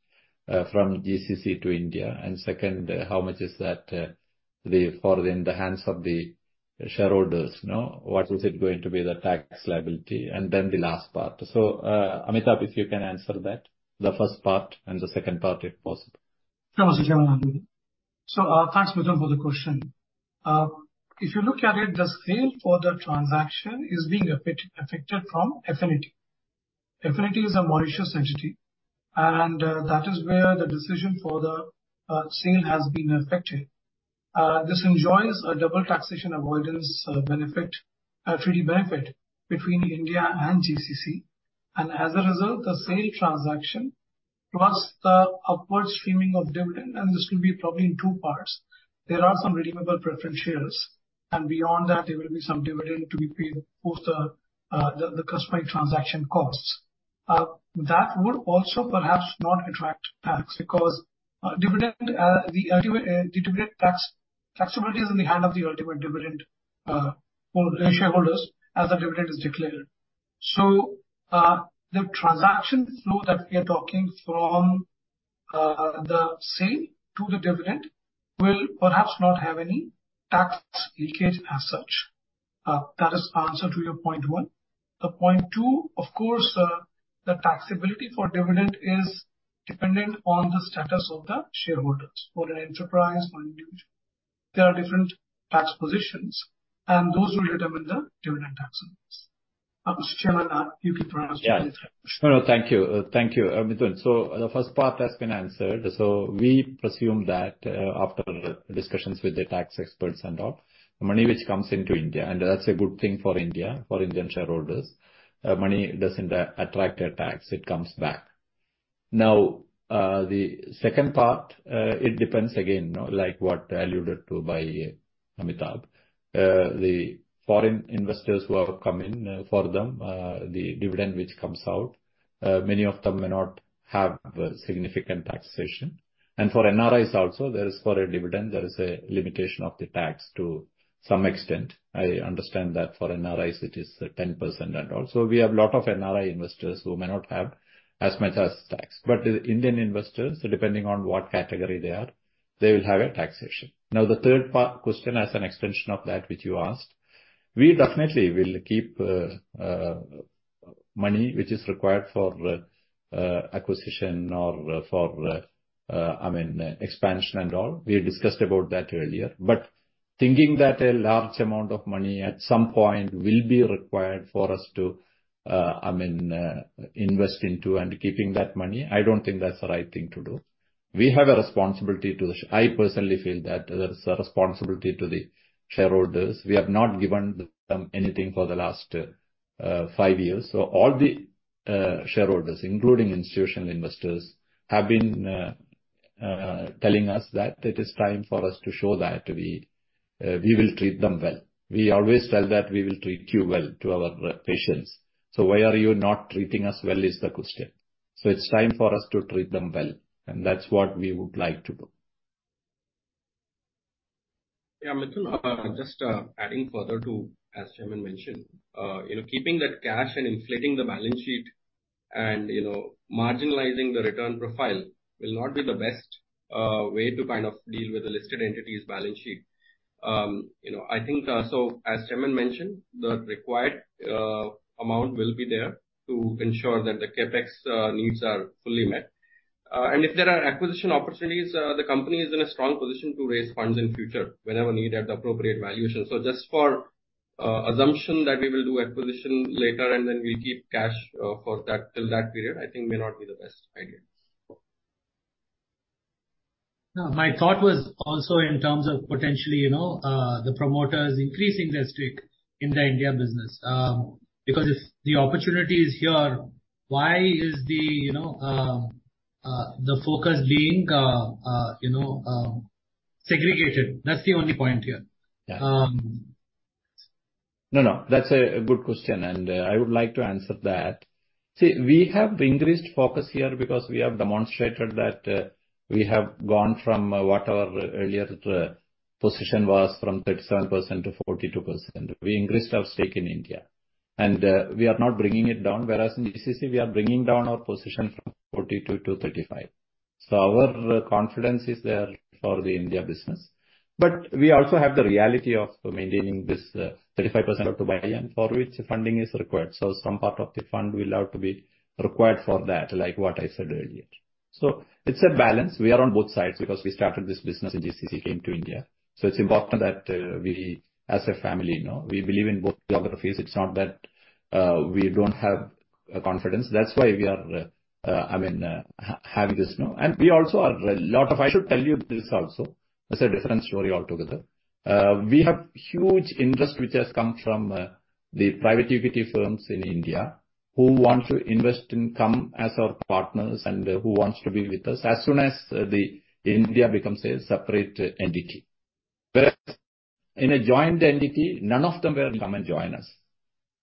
B: from GCC to India? And second, how much is that, the... for in the hands of the shareholders, you know, what is it going to be, the tax liability? And then the last part. So, Amitabh, if you can answer that, the first part and the second part, if possible.
E: Namaste, Chairman. Thanks, Mithun, for the question. If you look at it, the sale for the transaction is being effected from Affinity. Affinity is a Mauritius entity, and that is where the decision for the sale has been effected. This enjoys a double taxation avoidance benefit, treaty benefit between India and GCC. And as a result, the sale transaction, plus the upstreaming of dividend, and this will be probably in two parts. There are some redeemable preference shares, and beyond that, there will be some dividend to be paid post the corresponding transaction costs. That would also perhaps not attract tax, because dividend, the ultimate, the dividend tax taxability is in the hand of the ultimate dividend for the shareholders as the dividend is declared. So, the transaction flow that we are talking from, the sale to the dividend will perhaps not have any tax leakage as such. That is answer to your point one. The point two, of course, the taxability for dividend is dependent on the status of the shareholders, for an enterprise, for an individual. There are different tax positions, and those will determine the dividend tax amounts. Chair Ananda, you can proceed.
B: Yeah. No, no, thank you. Thank you, Mithun. So the first part has been answered. So we presume that, after discussions with the tax experts and all, the money which comes into India, and that's a good thing for India, for Indian shareholders, money doesn't attract a tax, it comes back. Now, the second part, it depends again, like what alluded to by Amitabh. The foreign investors who have come in, for them, the dividend which comes out, many of them may not have a significant taxation. And for NRIs also, there is for a dividend, there is a limitation of the tax to some extent. I understand that for NRIs it is 10% and all. So we have a lot of NRI investors who may not have as much as tax. But the Indian investors, depending on what category they are, they will have a taxation. Now, the third part, question, as an extension of that which you asked, we definitely will keep money which is required for acquisition or for I mean expansion and all. We discussed about that earlier. But thinking that a large amount of money at some point will be required for us to I mean invest into and keeping that money, I don't think that's the right thing to do. We have a responsibility to... I personally feel that there is a responsibility to the shareholders. We have not given them anything for the last five years. So all the shareholders, including institutional investors, have been telling us that it is time for us to show that we we will treat them well. We always tell that we will treat you well to our patients. So why are you not treating us well, is the question. So it's time for us to treat them well, and that's what we would like to do.
F: Yeah, Mithun, just adding further to, as Shaman mentioned, you know, keeping that cash and inflating the balance sheet and, you know, marginalizing the return profile will not be the best way to kind of deal with the listed entity's balance sheet. You know, I think, so as Shaman mentioned, the required amount will be there to ensure that the CapEx needs are fully met. And if there are acquisition opportunities, the company is in a strong position to raise funds in future whenever needed at the appropriate valuation. So just for assumption that we will do acquisition later and then we'll keep cash for that, till that period, I think may not be the best idea.
L: No, my thought was also in terms of potentially, you know, the promoters increasing their stake in the India business. Because if the opportunity is here, why is the, you know, the focus being segregated? That's the only point here.
B: Yeah.
L: Um...
B: No, no, that's a, a good question, and, I would like to answer that. See, we have increased focus here because we have demonstrated that, we have gone from what our earlier, position was, from 37% to 42%. We increased our stake in India, and, we are not bringing it down, whereas in GCC, we are bringing down our position from 42 to 35. So our confidence is there for the India business. But we also have the reality of maintaining this, 35% of the buy-in, for which funding is required. So some part of the fund will have to be required for that, like what I said earlier. So it's a balance. We are on both sides because we started this business in GCC, came to India. So it's important that, we, as a family, you know, we believe in both geographies. It's not that, we don't have, confidence. That's why we are, I mean, having this, you know. And we also are a lot of... I should tell you this also, it's a different story altogether. We have huge interest which has come from, the private equity firms in India, who want to invest and come as our partners and who wants to be with us as soon as, the India becomes a separate entity. Whereas in a joint entity, none of them will come and join us.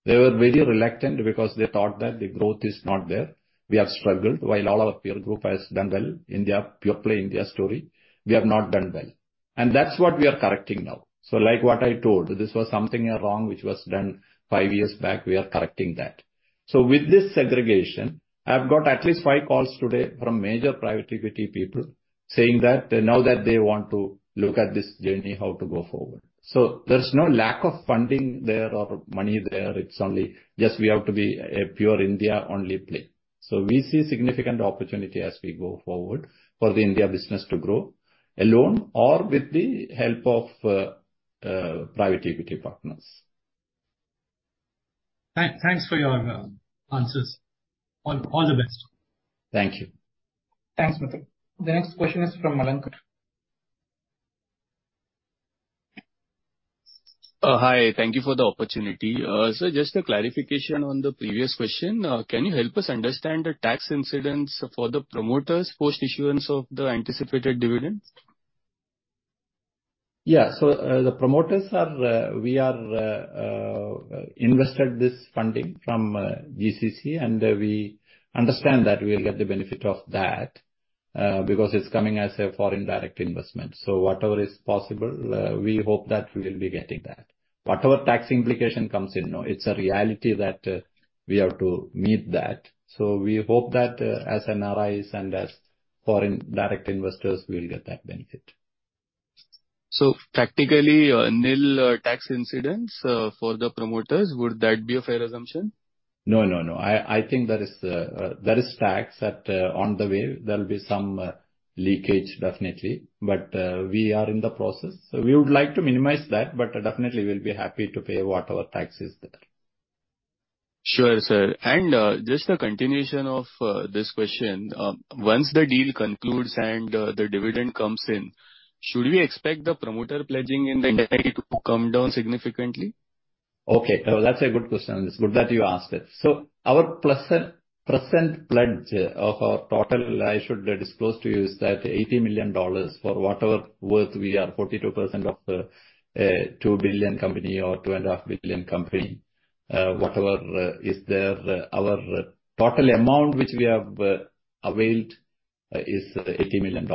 B: They were very reluctant because they thought that the growth is not there. We have struggled while all our peer group has done well. India, pure play India story, we have not done well. That's what we are correcting now. So like what I told, this was something wrong which was done 5 years back, we are correcting that. So with this segregation, I've got at least 5 calls today from major private equity people, saying that now that they want to look at this journey, how to go forward. So there's no lack of funding there or money there. It's only just we have to be a pure India-only play. So we see significant opportunity as we go forward for the India business to grow alone or with the help of private equity partners.
L: Thanks for your answers. All the best.
B: Thank you.
D: Thanks, Mithun. The next question is from Ankur.
M: Hi, thank you for the opportunity. Sir, just a clarification on the previous question. Can you help us understand the tax incidence for the promoters, post issuance of the anticipated dividends?
B: Yeah. So, the promoters are, we are, invested this funding from GCC, and we understand that we'll get the benefit of that, because it's coming as a foreign direct investment. So whatever is possible, we hope that we will be getting that. Whatever tax implication comes in, you know, it's a reality that we have to meet that. So we hope that, as NRIs and as foreign direct investors, we'll get that benefit.
M: Technically, nil tax incidents for the promoters, would that be a fair assumption?
B: No, no, no. I, I think there is, there is tax at, on the way. There will be some, leakage, definitely. But, we are in the process. We would like to minimize that, but definitely we'll be happy to pay whatever tax is there.
M: Sure, sir. Just a continuation of this question. Once the deal concludes and the dividend comes in, should we expect the promoter pledging in the entity to come down significantly?
B: Okay, that's a good question, and it's good that you asked it. So our present, present pledge of our total, I should disclose to you, is that $80 million for whatever worth we are 42% of the $2 billion company or $2.5 billion company, whatever is there. Our total amount, which we have availed, is $80 million.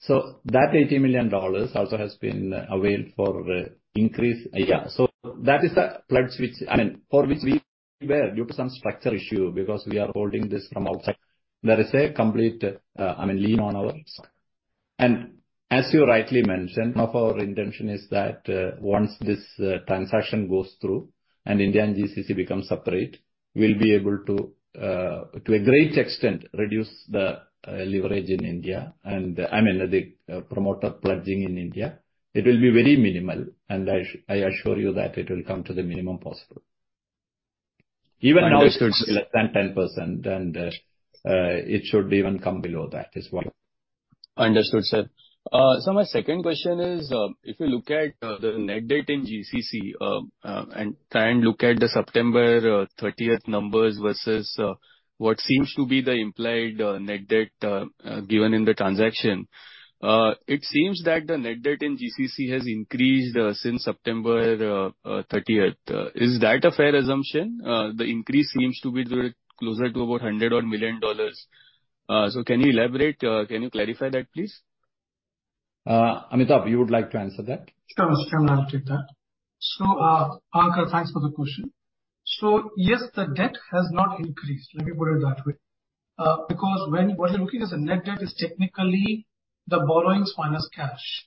B: So that $80 million also has been availed for increase... Yeah, so that is the pledge which, I mean, for which we were, due to some structural issue, because we are holding this from outside. There is a complete, I mean, lien on our stock. As you rightly mentioned, half of our intention is that, once this transaction goes through and India and GCC become separate, we'll be able to, to a great extent, reduce the leverage in India and, I mean, the promoter pledging in India. It will be very minimal, and I assure you that it will come to the minimum possible. Even now, it's less than 10%, and it should even come below that as well.
M: Understood, sir. So my second question is, if you look at the net debt in GCC, and try and look at the September thirtieth numbers versus what seems to be the implied net debt given in the transaction. It seems that the net debt in GCC has increased since September thirtieth. Is that a fair assumption? The increase seems to be very closer to about $100 million. So can you elaborate, can you clarify that, please?
B: Amitabh, you would like to answer that?
I: Sure, sure, I'll take that. So, Ankar, thanks for the question. So yes, the debt has not increased, let me put it that way. Because when what you're looking at the net debt is technically the borrowings minus cash.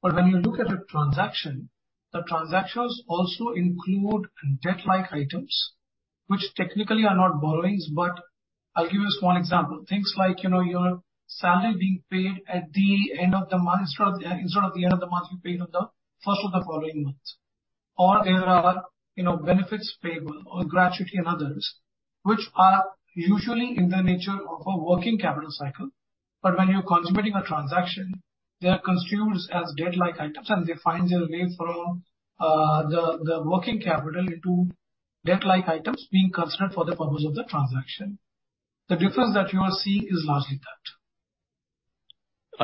I: But when you look at the transaction, the transactions also include debt-like items, which technically are not borrowings, but I'll give you one example: things like, you know, your salary being paid at the end of the month, instead of, instead of the end of the month, you paid at the first of the following month. Or there are, you know, benefits payable or gratuity and others, which are usually in the nature of a working capital cycle. But when you're consummating a transaction, they are consumed as debt-like items, and they find their way from the working capital into debt-like items being considered for the purpose of the transaction. The difference that you are seeing is largely that.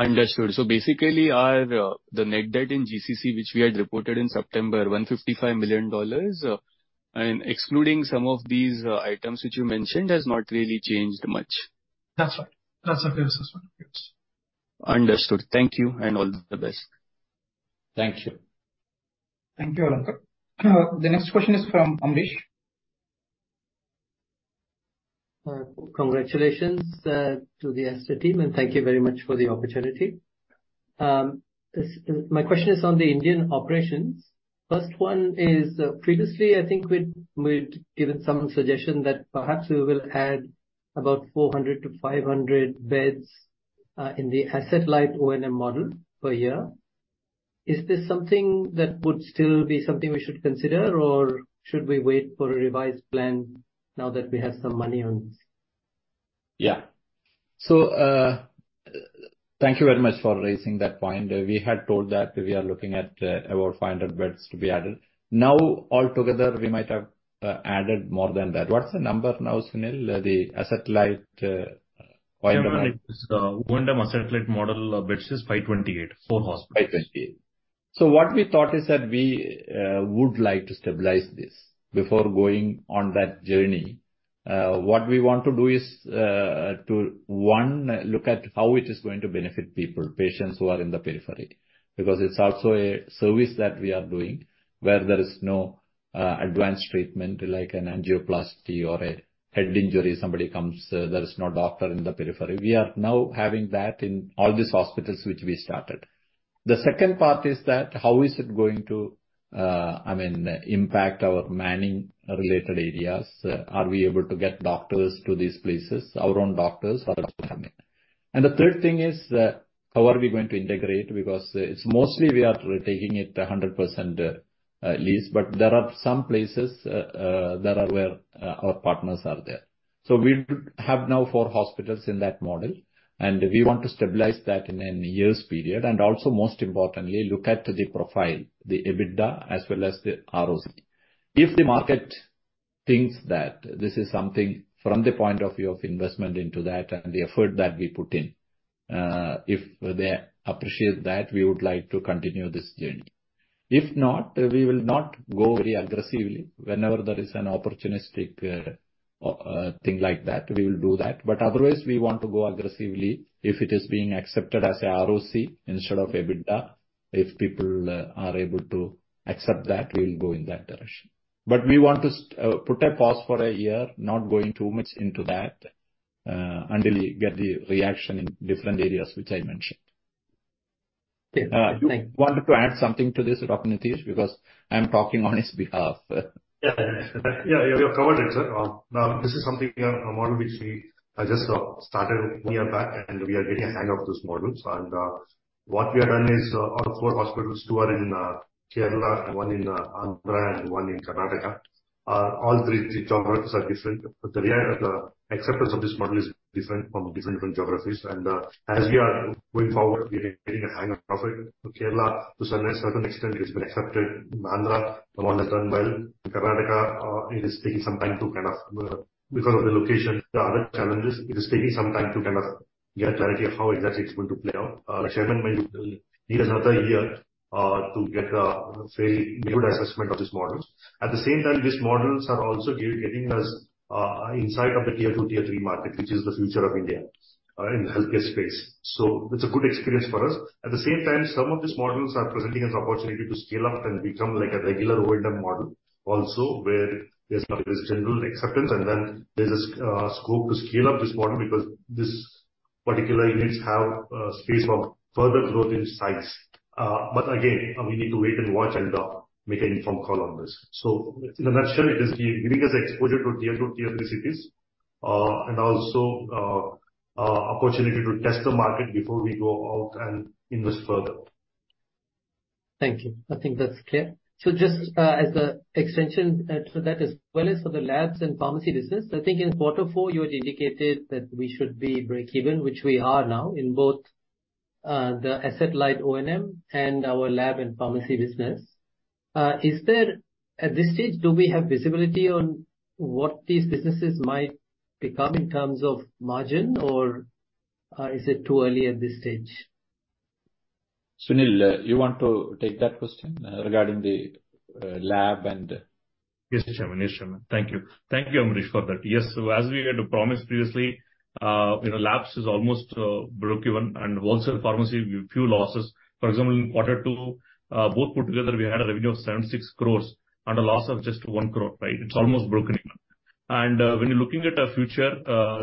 M: Understood. So basically, our the net debt in GCC, which we had reported in September, $155 million, and excluding some of these items which you mentioned, has not really changed much.
I: That's right. That's a fair assessment. Yes.
M: Understood. Thank you, and all the best.
B: Thank you.
I: Thank you, Ankar. The next question is from Amrish.
K: Congratulations to the Aster team, and thank you very much for the opportunity. My question is on the Indian operations. First one is, previously, I think we'd, we'd given some suggestion that perhaps we will add about 400-500 beds in the asset-light O&M model per year. Is this something that would still be something we should consider, or should we wait for a revised plan now that we have some money on this?
B: Yeah. So, thank you very much for raising that point. We had told that we are looking at, about 500 beds to be added. Now, altogether, we might have, added more than that. What's the number now, Sunil, the asset-light, 500?
J: O&M asset-light model, 528 beds, 4 hospitals.
B: So what we thought is that we would like to stabilize this before going on that journey. What we want to do is to one, look at how it is going to benefit people, patients who are in the periphery. Because it's also a service that we are doing, where there is no advanced treatment, like an angioplasty or a head injury. Somebody comes, there is no doctor in the periphery. We are now having that in all these hospitals which we started. The second part is that how is it going to, I mean, impact our manning-related areas? Are we able to get doctors to these places, our own doctors or outside? And the third thing is, how are we going to integrate? Because, it's mostly we are taking it 100%, lease, but there are some places, that are where, our partners are there. So we have now four hospitals in that model, and we want to stabilize that in an year's period. And also, most importantly, look at the profile, the EBITDA, as well as the ROC. If the market thinks that this is something from the point of view of investment into that and the effort that we put in, if they appreciate that, we would like to continue this journey. If not, we will not go very aggressively. Whenever there is an opportunistic, thing like that, we will do that. But otherwise, we want to go aggressively if it is being accepted as a ROC instead of EBITDA. If people are able to accept that, we'll go in that direction. But we want to put a pause for a year, not going too much into that, until we get the reaction in different areas which I mentioned.
K: Okay, thank you.
B: You wanted to add something to this, Dr. Nitish? Because I'm talking on his behalf.
I: Yeah. Yeah, you have covered it, sir. Now, this is something, a model which we just started 1 year back, and we are getting a hang of those models. What we have done is, out of 4 hospitals, 2 are in Kerala, 1 in Andhra, and 1 in Karnataka. All 3 geographies are different. The acceptance of this model is different from different geographies. As we are going forward, we are getting a hang of it. In Kerala, to some certain extent, it has been accepted. In Andhra, more or less run well. In Karnataka, it is taking some time to kind of... Because of the location, there are other challenges. It is taking some time to kind of get clarity of how exactly it's going to play out. The chairman might need another year to get a very good assessment of these models. At the same time, these models are also getting us insight of the Tier 2, Tier 3 market, which is the future of India in the healthcare space. So it's a good experience for us. At the same time, some of these models are presenting us opportunity to scale up and become like a regular O&M model. Also, where there's general acceptance, and then there's a scope to scale up this model, because these particular units have space for further growth in size. But again, we need to wait and watch and make an informed call on this. So, in a nutshell, it is giving us exposure to Tier 2, Tier 3 cities, and also opportunity to test the market before we go out and invest further....
K: Thank you. I think that's clear. So just, as an extension to that, as well as for the labs and pharmacy business, I think in quarter four you had indicated that we should be breakeven, which we are now in both, the asset light O&M and our lab and pharmacy business. At this stage, do we have visibility on what these businesses might become in terms of margin, or, is it too early at this stage?
B: Sunil, you want to take that question regarding the lab and-
J: Yes, Shaman, thank you. Thank you, Amrish, for that. Yes, so as we had promised previously, you know, labs is almost breakeven and wholesale pharmacy, few losses. For example, in quarter two, both put together, we had a revenue of 76 crore and a loss of just 1 crore, right? It's almost broken even. When you're looking at our future,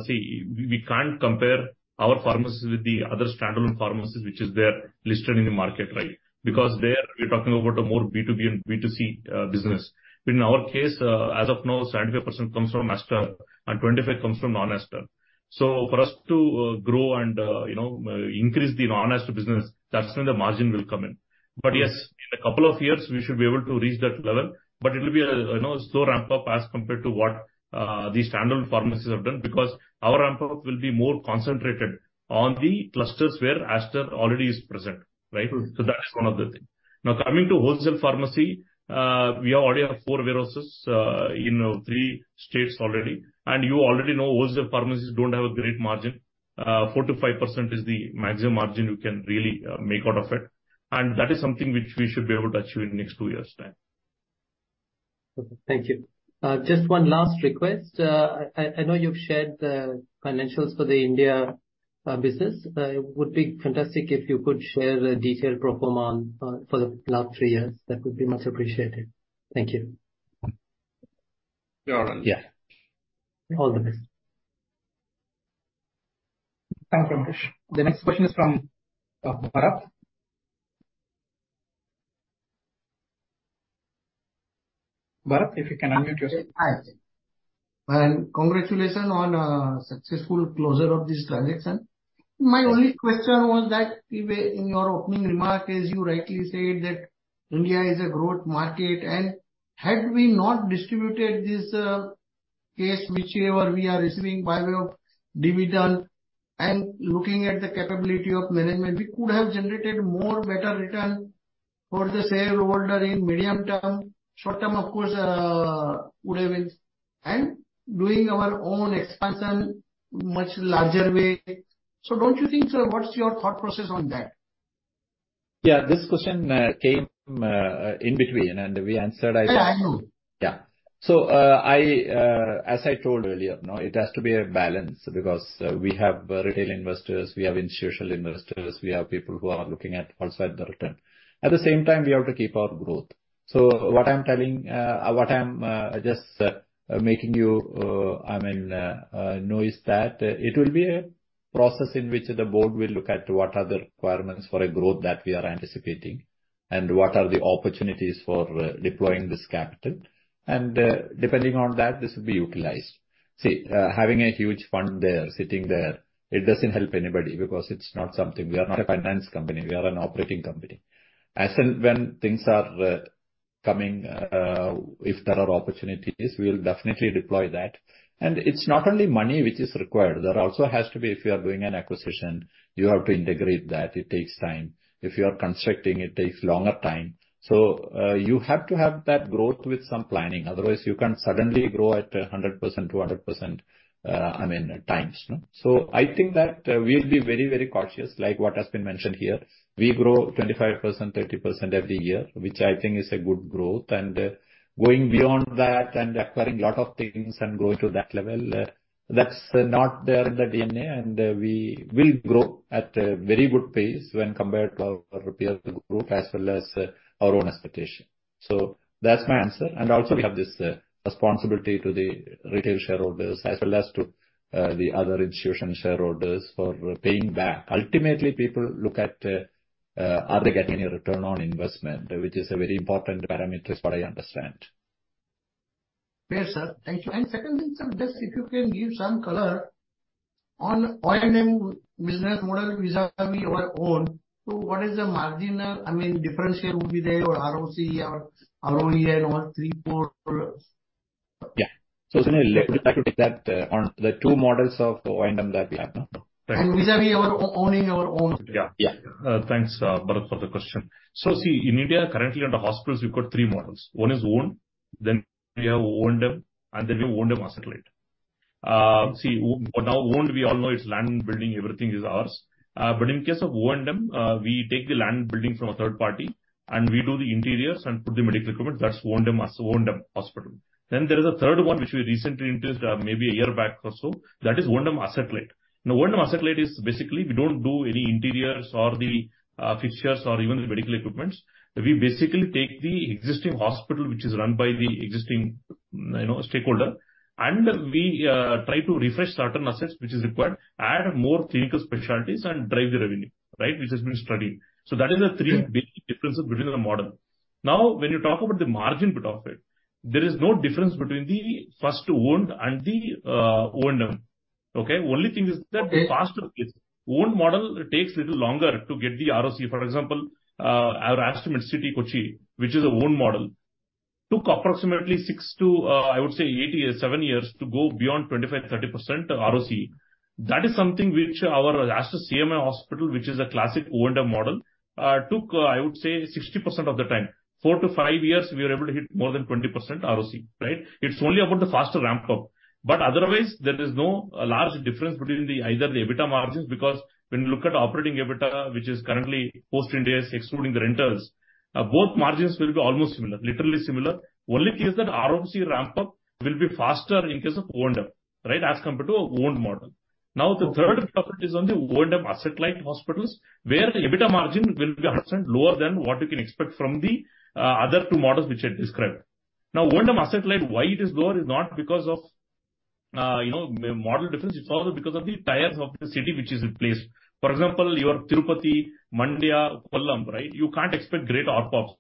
J: see, we can't compare our pharmacies with the other standalone pharmacies, which is there listed in the market, right? Because there, we're talking about a more B2B and B2C business. In our case, as of now, 75% comes from Aster and 25% comes from non-Aster. So for us to grow and, you know, increase the non-Aster business, that's when the margin will come in. But yes, in a couple of years we should be able to reach that level, but it will be a, you know, slow ramp-up as compared to what the standalone pharmacies have done. Because our ramp-up will be more concentrated on the clusters where Aster already is present, right? So that's one of the thing. Now, coming to wholesale pharmacy, we already have 4 warehouses in 3 states already, and you already know wholesale pharmacies don't have a great margin. 4%-5% is the maximum margin you can really make out of it, and that is something which we should be able to achieve in the next 2 years' time.
K: Okay, thank you. Just one last request. I know you've shared the financials for the India business. It would be fantastic if you could share a detailed pro forma on for the last three years. That would be much appreciated. Thank you.
B: Sure.
J: Yeah.
K: All the best.
D: Thank you, Amrish. The next question is from Bharat. Bharat, if you can unmute yourself.
N: Hi. Congratulations on successful closure of this transaction. My only question was that in your opening remarks, as you rightly said, that India is a growth market, and had we not distributed this case, whichever we are receiving by way of dividend, and looking at the capability of management, we could have generated more better return for the shareholder in medium term. Short term, of course, would have been... Doing our own expansion much larger way. Don't you think, sir, what's your thought process on that?
B: Yeah, this question came in between, and we answered, I think.
N: Yeah, I know.
B: Yeah. So, I, as I told earlier, you know, it has to be a balance because, we have, retail investors, we have institutional investors, we have people who are looking at also at the return. At the same time, we have to keep our growth. So what I'm telling, what I'm, just, making you, I mean, know is that it will be a process in which the board will look at what are the requirements for a growth that we are anticipating, and what are the opportunities for, deploying this capital. And, depending on that, this will be utilized. See, having a huge fund there, sitting there, it doesn't help anybody because it's not something... We are not a finance company, we are an operating company. As and when things are coming, if there are opportunities, we will definitely deploy that. And it's not only money which is required, there also has to be, if you are doing an acquisition, you have to integrate that. It takes time. If you are constructing, it takes longer time. So, you have to have that growth with some planning, otherwise you can't suddenly grow at 100%, 200%, I mean, times, no. So I think that, we'll be very, very cautious, like what has been mentioned here. We grow 25%, 30% every year, which I think is a good growth, and, going beyond that and acquiring a lot of things and growing to that level, that's not there in the DNA. We will grow at a very good pace when compared to our peer group, as well as our own expectation. That's my answer. Also, we have this responsibility to the retail shareholders, as well as to the other institutional shareholders for paying back. Ultimately, people look at are they getting a return on investment, which is a very important parameter, as far as I understand.
N: Fair, sir. Thank you. Secondly, sir, just if you can give some color on O&M business model vis-à-vis your own. So what is the marginal, I mean, differential will be there or ROC or ROE or three, four?
B: Yeah. So, Sunil, would you like to take that on the two models of O&M that we have, no?
N: Vis-à-vis our owning our own.
J: Yeah.
B: Yeah.
J: Thanks, Bharat, for the question. So see, in India, currently in the hospitals, we've got three models. One is owned, then we have O&M, and then we have O&M asset-light. See, for now, owned, we all know it's land, building, everything is ours. But in case of O&M, we take the land building from a third party, and we do the interiors and put the medical equipment, that's O&M, O&M hospital. Then there is a third one, which we recently introduced, maybe a year back or so, that is O&M satellite. Now, O&M satellite is basically, we don't do any interiors or the, fixtures or even the medical equipments. We basically take the existing hospital, which is run by the existing, you know, stakeholder, and we try to refresh certain assets, which is required, add more clinical specialties and drive the revenue, right? Which has been studied. So that is the three big differences between the model. Now, when you talk about the margin bit of it, there is no difference between the first owned and the O&M. Okay, only thing is that the faster it is, owned model takes a little longer to get the ROC. For example, our Aster Medcity Kochi, which is a owned model, took approximately 6 to, I would say 8 years, 7 years to go beyond 25, 30% ROC. That is something which our Aster CMI Hospital, which is a classic owned model, took, I would say 60% of the time. 4-5 years, we were able to hit more than 20% ROC, right? It's only about the faster ramp up, but otherwise there is no large difference between either the EBITDA margins, because when you look at operating EBITDA, which is currently post-IndAS excluding the renters, both margins will be almost similar, literally similar. Only thing is that ROC ramp up will be faster in case of O&M, right, as compared to O&M model. Now, the third topic is on the O&M asset light hospitals, where the EBITDA margin will be 100 lower than what you can expect from the other two models which I described. Now, O&M asset light, why it is lower is not because of, you know, model difference, it's also because of the tiers of the city which is in place. For example, your Tirupati, Mandya, Kollam, right? You can't expect great ARPOBs.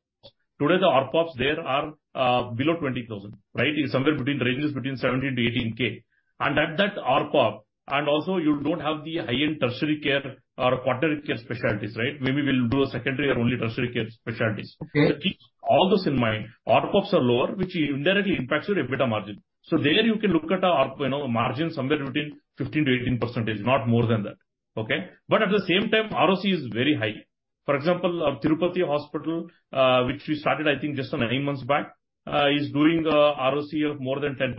J: Today, the ARPOBs there are below 20,000, right? It's somewhere between, ranges between 17,000-18,000. And at that ARPOB, and also you don't have the high-end tertiary care or quaternary care specialties, right? Maybe we'll do a secondary or only tertiary care specialties.
K: Okay.
J: So keep all those in mind. ARPOB are lower, which indirectly impacts your EBITDA margin. So there you can look at our, you know, margin somewhere between 15%-18%, not more than that, okay? But at the same time, ROC is very high. For example, our Tirupati hospital, which we started, I think, just 9 months back, is doing ROC of more than 10%,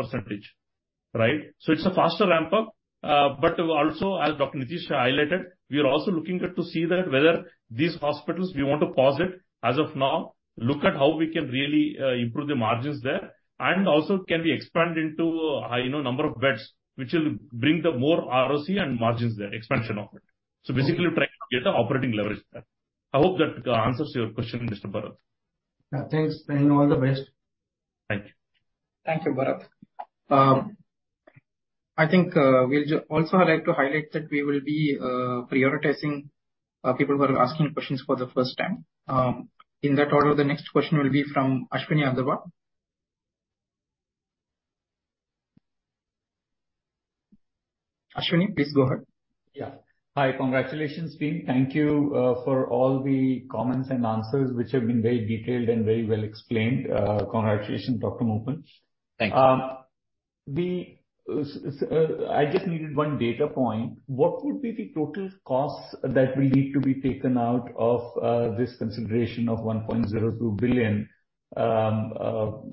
J: right? So it's a faster ramp up. But also, as Dr. Nitish highlighted, we are also looking at to see that whether these hospitals we want to pause it as of now, look at how we can really improve the margins there, and also can we expand into, you know, number of beds, which will bring the more ROC and margins there, expansion of it. So basically, we're trying to get the operating leverage there. I hope that answers your question, Mr. Bharat.
K: Yeah. Thanks, and all the best.
J: Thank you.
A: Thank you, Bharat. I think, we'll just also like to highlight that we will be prioritizing people who are asking questions for the first time. In that order, the next question will be from Ashwini Agarwal. Ashwini, please go ahead.
M: Yeah. Hi. Congratulations, team. Thank you for all the comments and answers, which have been very detailed and very well explained. Congratulations, Dr. Moopen.
J: Thank you.
M: The, I just needed one data point. What would be the total costs that will need to be taken out of this consideration of $1.02 billion, and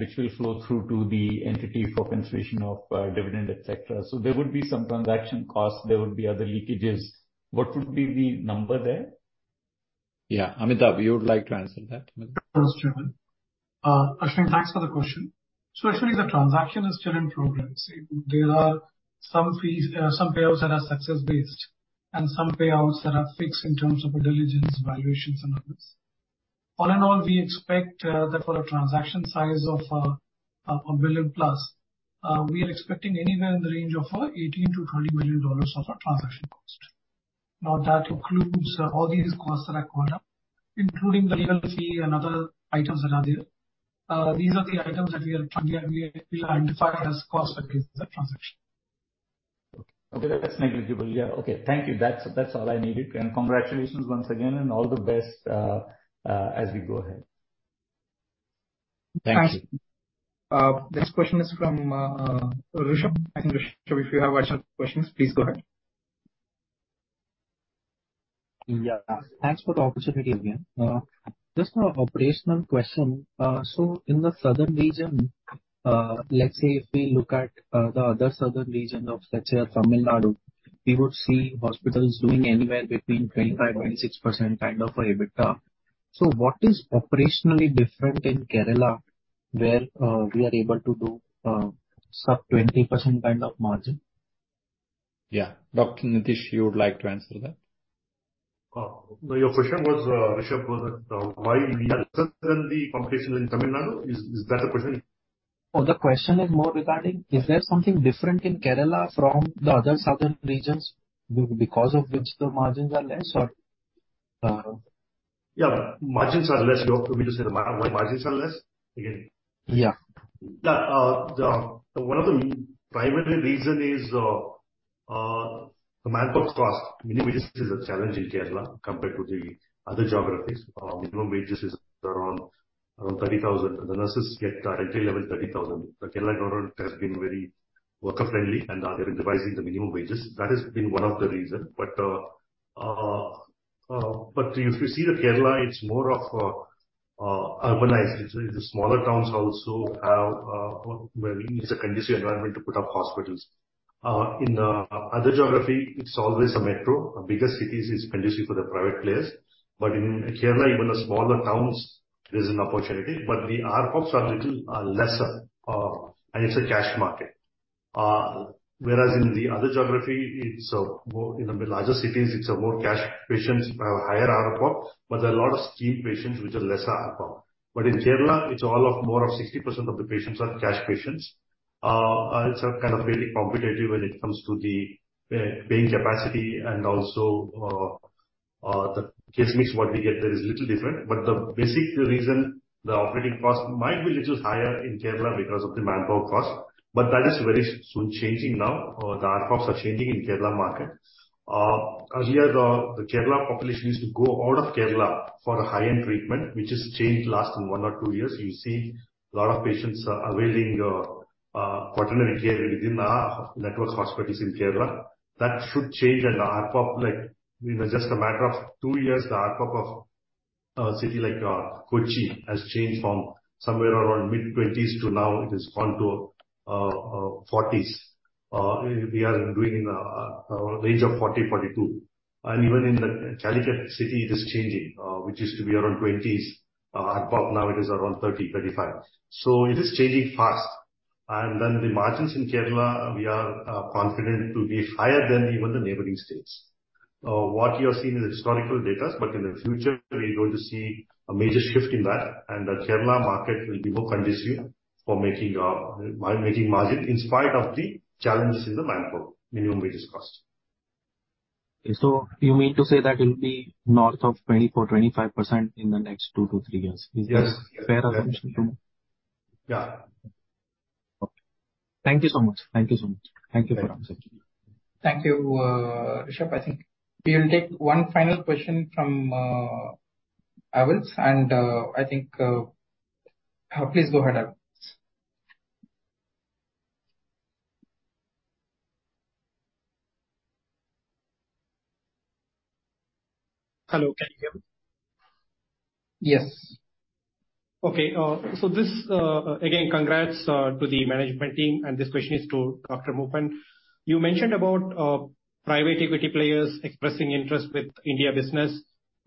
M: which will flow through to the entity for consideration of dividend, et cetera? So there would be some transaction costs, there would be other leakages. What would be the number there?
J: Yeah. Amitabh, we would like to answer that.
E: Yes, chairman. Ashwini, thanks for the question. So Ashwini, the transaction is still in progress. There are some fees, some payouts that are success based, and some payouts that are fixed in terms of diligence, valuations, and others. All in all, we expect that for a transaction size of $1 billion plus, we are expecting anywhere in the range of $18 million-$20 million of a transaction cost. Now, that includes all these costs that are caught up, including the legal fee and other items that are there. These are the items that we identified as costs against the transaction.
M: Okay, that's negligible. Yeah. Okay. Thank you. That's, that's all I needed. And congratulations once again, and all the best, as we go ahead.
J: Thank you.
A: Next question is from Rishab. I think, Rishab, if you have questions, please go ahead.
K: Yeah. Thanks for the opportunity again. Just an operational question. So in the southern region, let's say if we look at the other southern region of such as Tamil Nadu, we would see hospitals doing anywhere between 25-26% kind of a EBITDA. So what is operationally different in Kerala, where we are able to do sub-20% kind of margin?
J: Yeah. Dr. Nitish, you would like to answer that?
I: Your question was, Rishab, was that why we are suddenly competition in Tamil Nadu? Is that the question?
K: Oh, the question is more regarding, is there something different in Kerala from the other southern regions, because of which the margins are less or...
I: Yeah, margins are less. You want me to say why margins are less again?
K: Yeah.
I: The one of the primary reason is the manpower cost. Minimum wage is a challenge in Kerala compared to the other geographies. Minimum wages is around, around 30,000. The nurses get directly around 30,000. The Kerala government has been very worker-friendly, and they are revising the minimum wages. That has been one of the reason. But, but if you see that Kerala, it's more of urbanized. It's a smaller towns also have, well, it's a conducive environment to put up hospitals. In the other geography, it's always a metro. A bigger city is conducive for the private players, but in Kerala, even the smaller towns, there's an opportunity, but the ARPOBs are little lesser, and it's a cash market. Whereas in the other geography, it's more in the larger cities, it's more cash patients have higher ARPOB, but there are a lot of scheme patients which are lesser ARPOB. But in Kerala, it's all of more of 60% of the patients are cash patients. It's kind of very competitive when it comes to the paying capacity and also,...
B: The case mix what we get there is little different, but the basic reason the operating cost might be a little higher in Kerala because of the manpower cost, but that is very soon changing now. The ARPOBs are changing in Kerala market. Earlier, the Kerala population used to go out of Kerala for a high-end treatment, which has changed last one or two years. You see a lot of patients are availing, quaternary care within our network hospitals in Kerala. That should change, and the ARPOB, like, in just a matter of two years, the ARPOB of a city like, Kochi, has changed from somewhere around mid-20s to now it is on to, 40s. We are doing in, range of 40-42. Even in the Calicut city, it is changing, which used to be around 20s, ARPOB, now it is around 30-35. So it is changing fast. Then the margins in Kerala, we are confident to be higher than even the neighboring states. What you are seeing is historical data, but in the future we're going to see a major shift in that, and the Kerala market will be more conducive for making margin, in spite of the challenges in the manpower, minimum wages cost.
D: So you mean to say that it'll be north of 24-25% in the next two to three years?
B: Yes.
O: Is this a fair assumption to make?
B: Yeah.
O: Okay. Thank you so much. Thank you so much. Thank you very much.
A: Thank you, Rishabh. I think we will take one final question from Abels, and I think... Please go ahead, Abels.
K: Hello, can you hear me?
B: Yes.
K: Okay, so this, again, congrats to the management team, and this question is to Dr. Moopen. You mentioned about private equity players expressing interest with India business.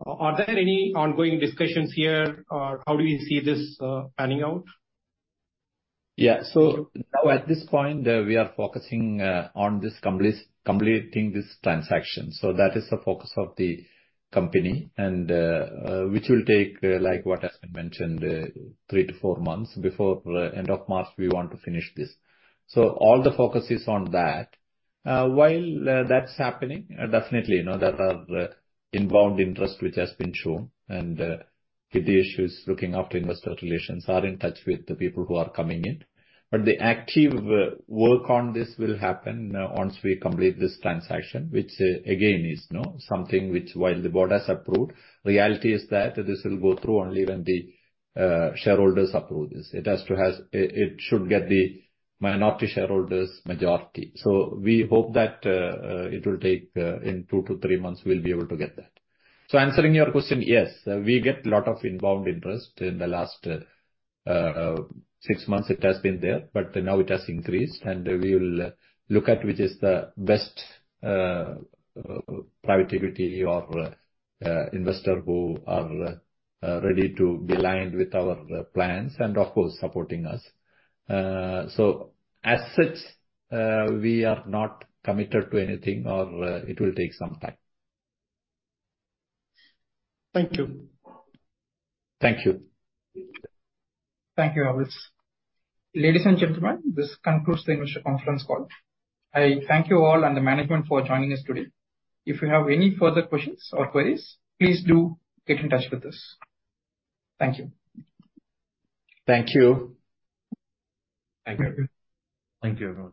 K: Are there any ongoing discussions here, or how do you see this panning out?
B: Yeah. So now at this point, we are focusing on completing this transaction. So that is the focus of the company, and which will take, like what has been mentioned, 3-4 months. Before end of March, we want to finish this. So all the focus is on that. While that's happening, definitely, you know, there are inbound interest which has been shown, and Nitish Shetty is looking after investor relations, are in touch with the people who are coming in. But the active work on this will happen once we complete this transaction, which, again, is, you know, something which, while the board has approved, reality is that this will go through only when the shareholders approve this. It has to has. It should get the minority shareholders majority. We hope that it will take in 2-3 months, we'll be able to get that. Answering your question, yes, we get a lot of inbound interest. In the last 6 months it has been there, but now it has increased, and we will look at which is the best private equity or investor who are ready to be aligned with our plans and, of course, supporting us. As such, we are not committed to anything or it will take some time.
K: Thank you.
B: Thank you.
A: Thank you, Abels. Ladies and gentlemen, this concludes the investor conference call. I thank you all and the management for joining us today. If you have any further questions or queries, please do get in touch with us. Thank you.
B: Thank you.
D: Thank you.
K: Thank you, everyone.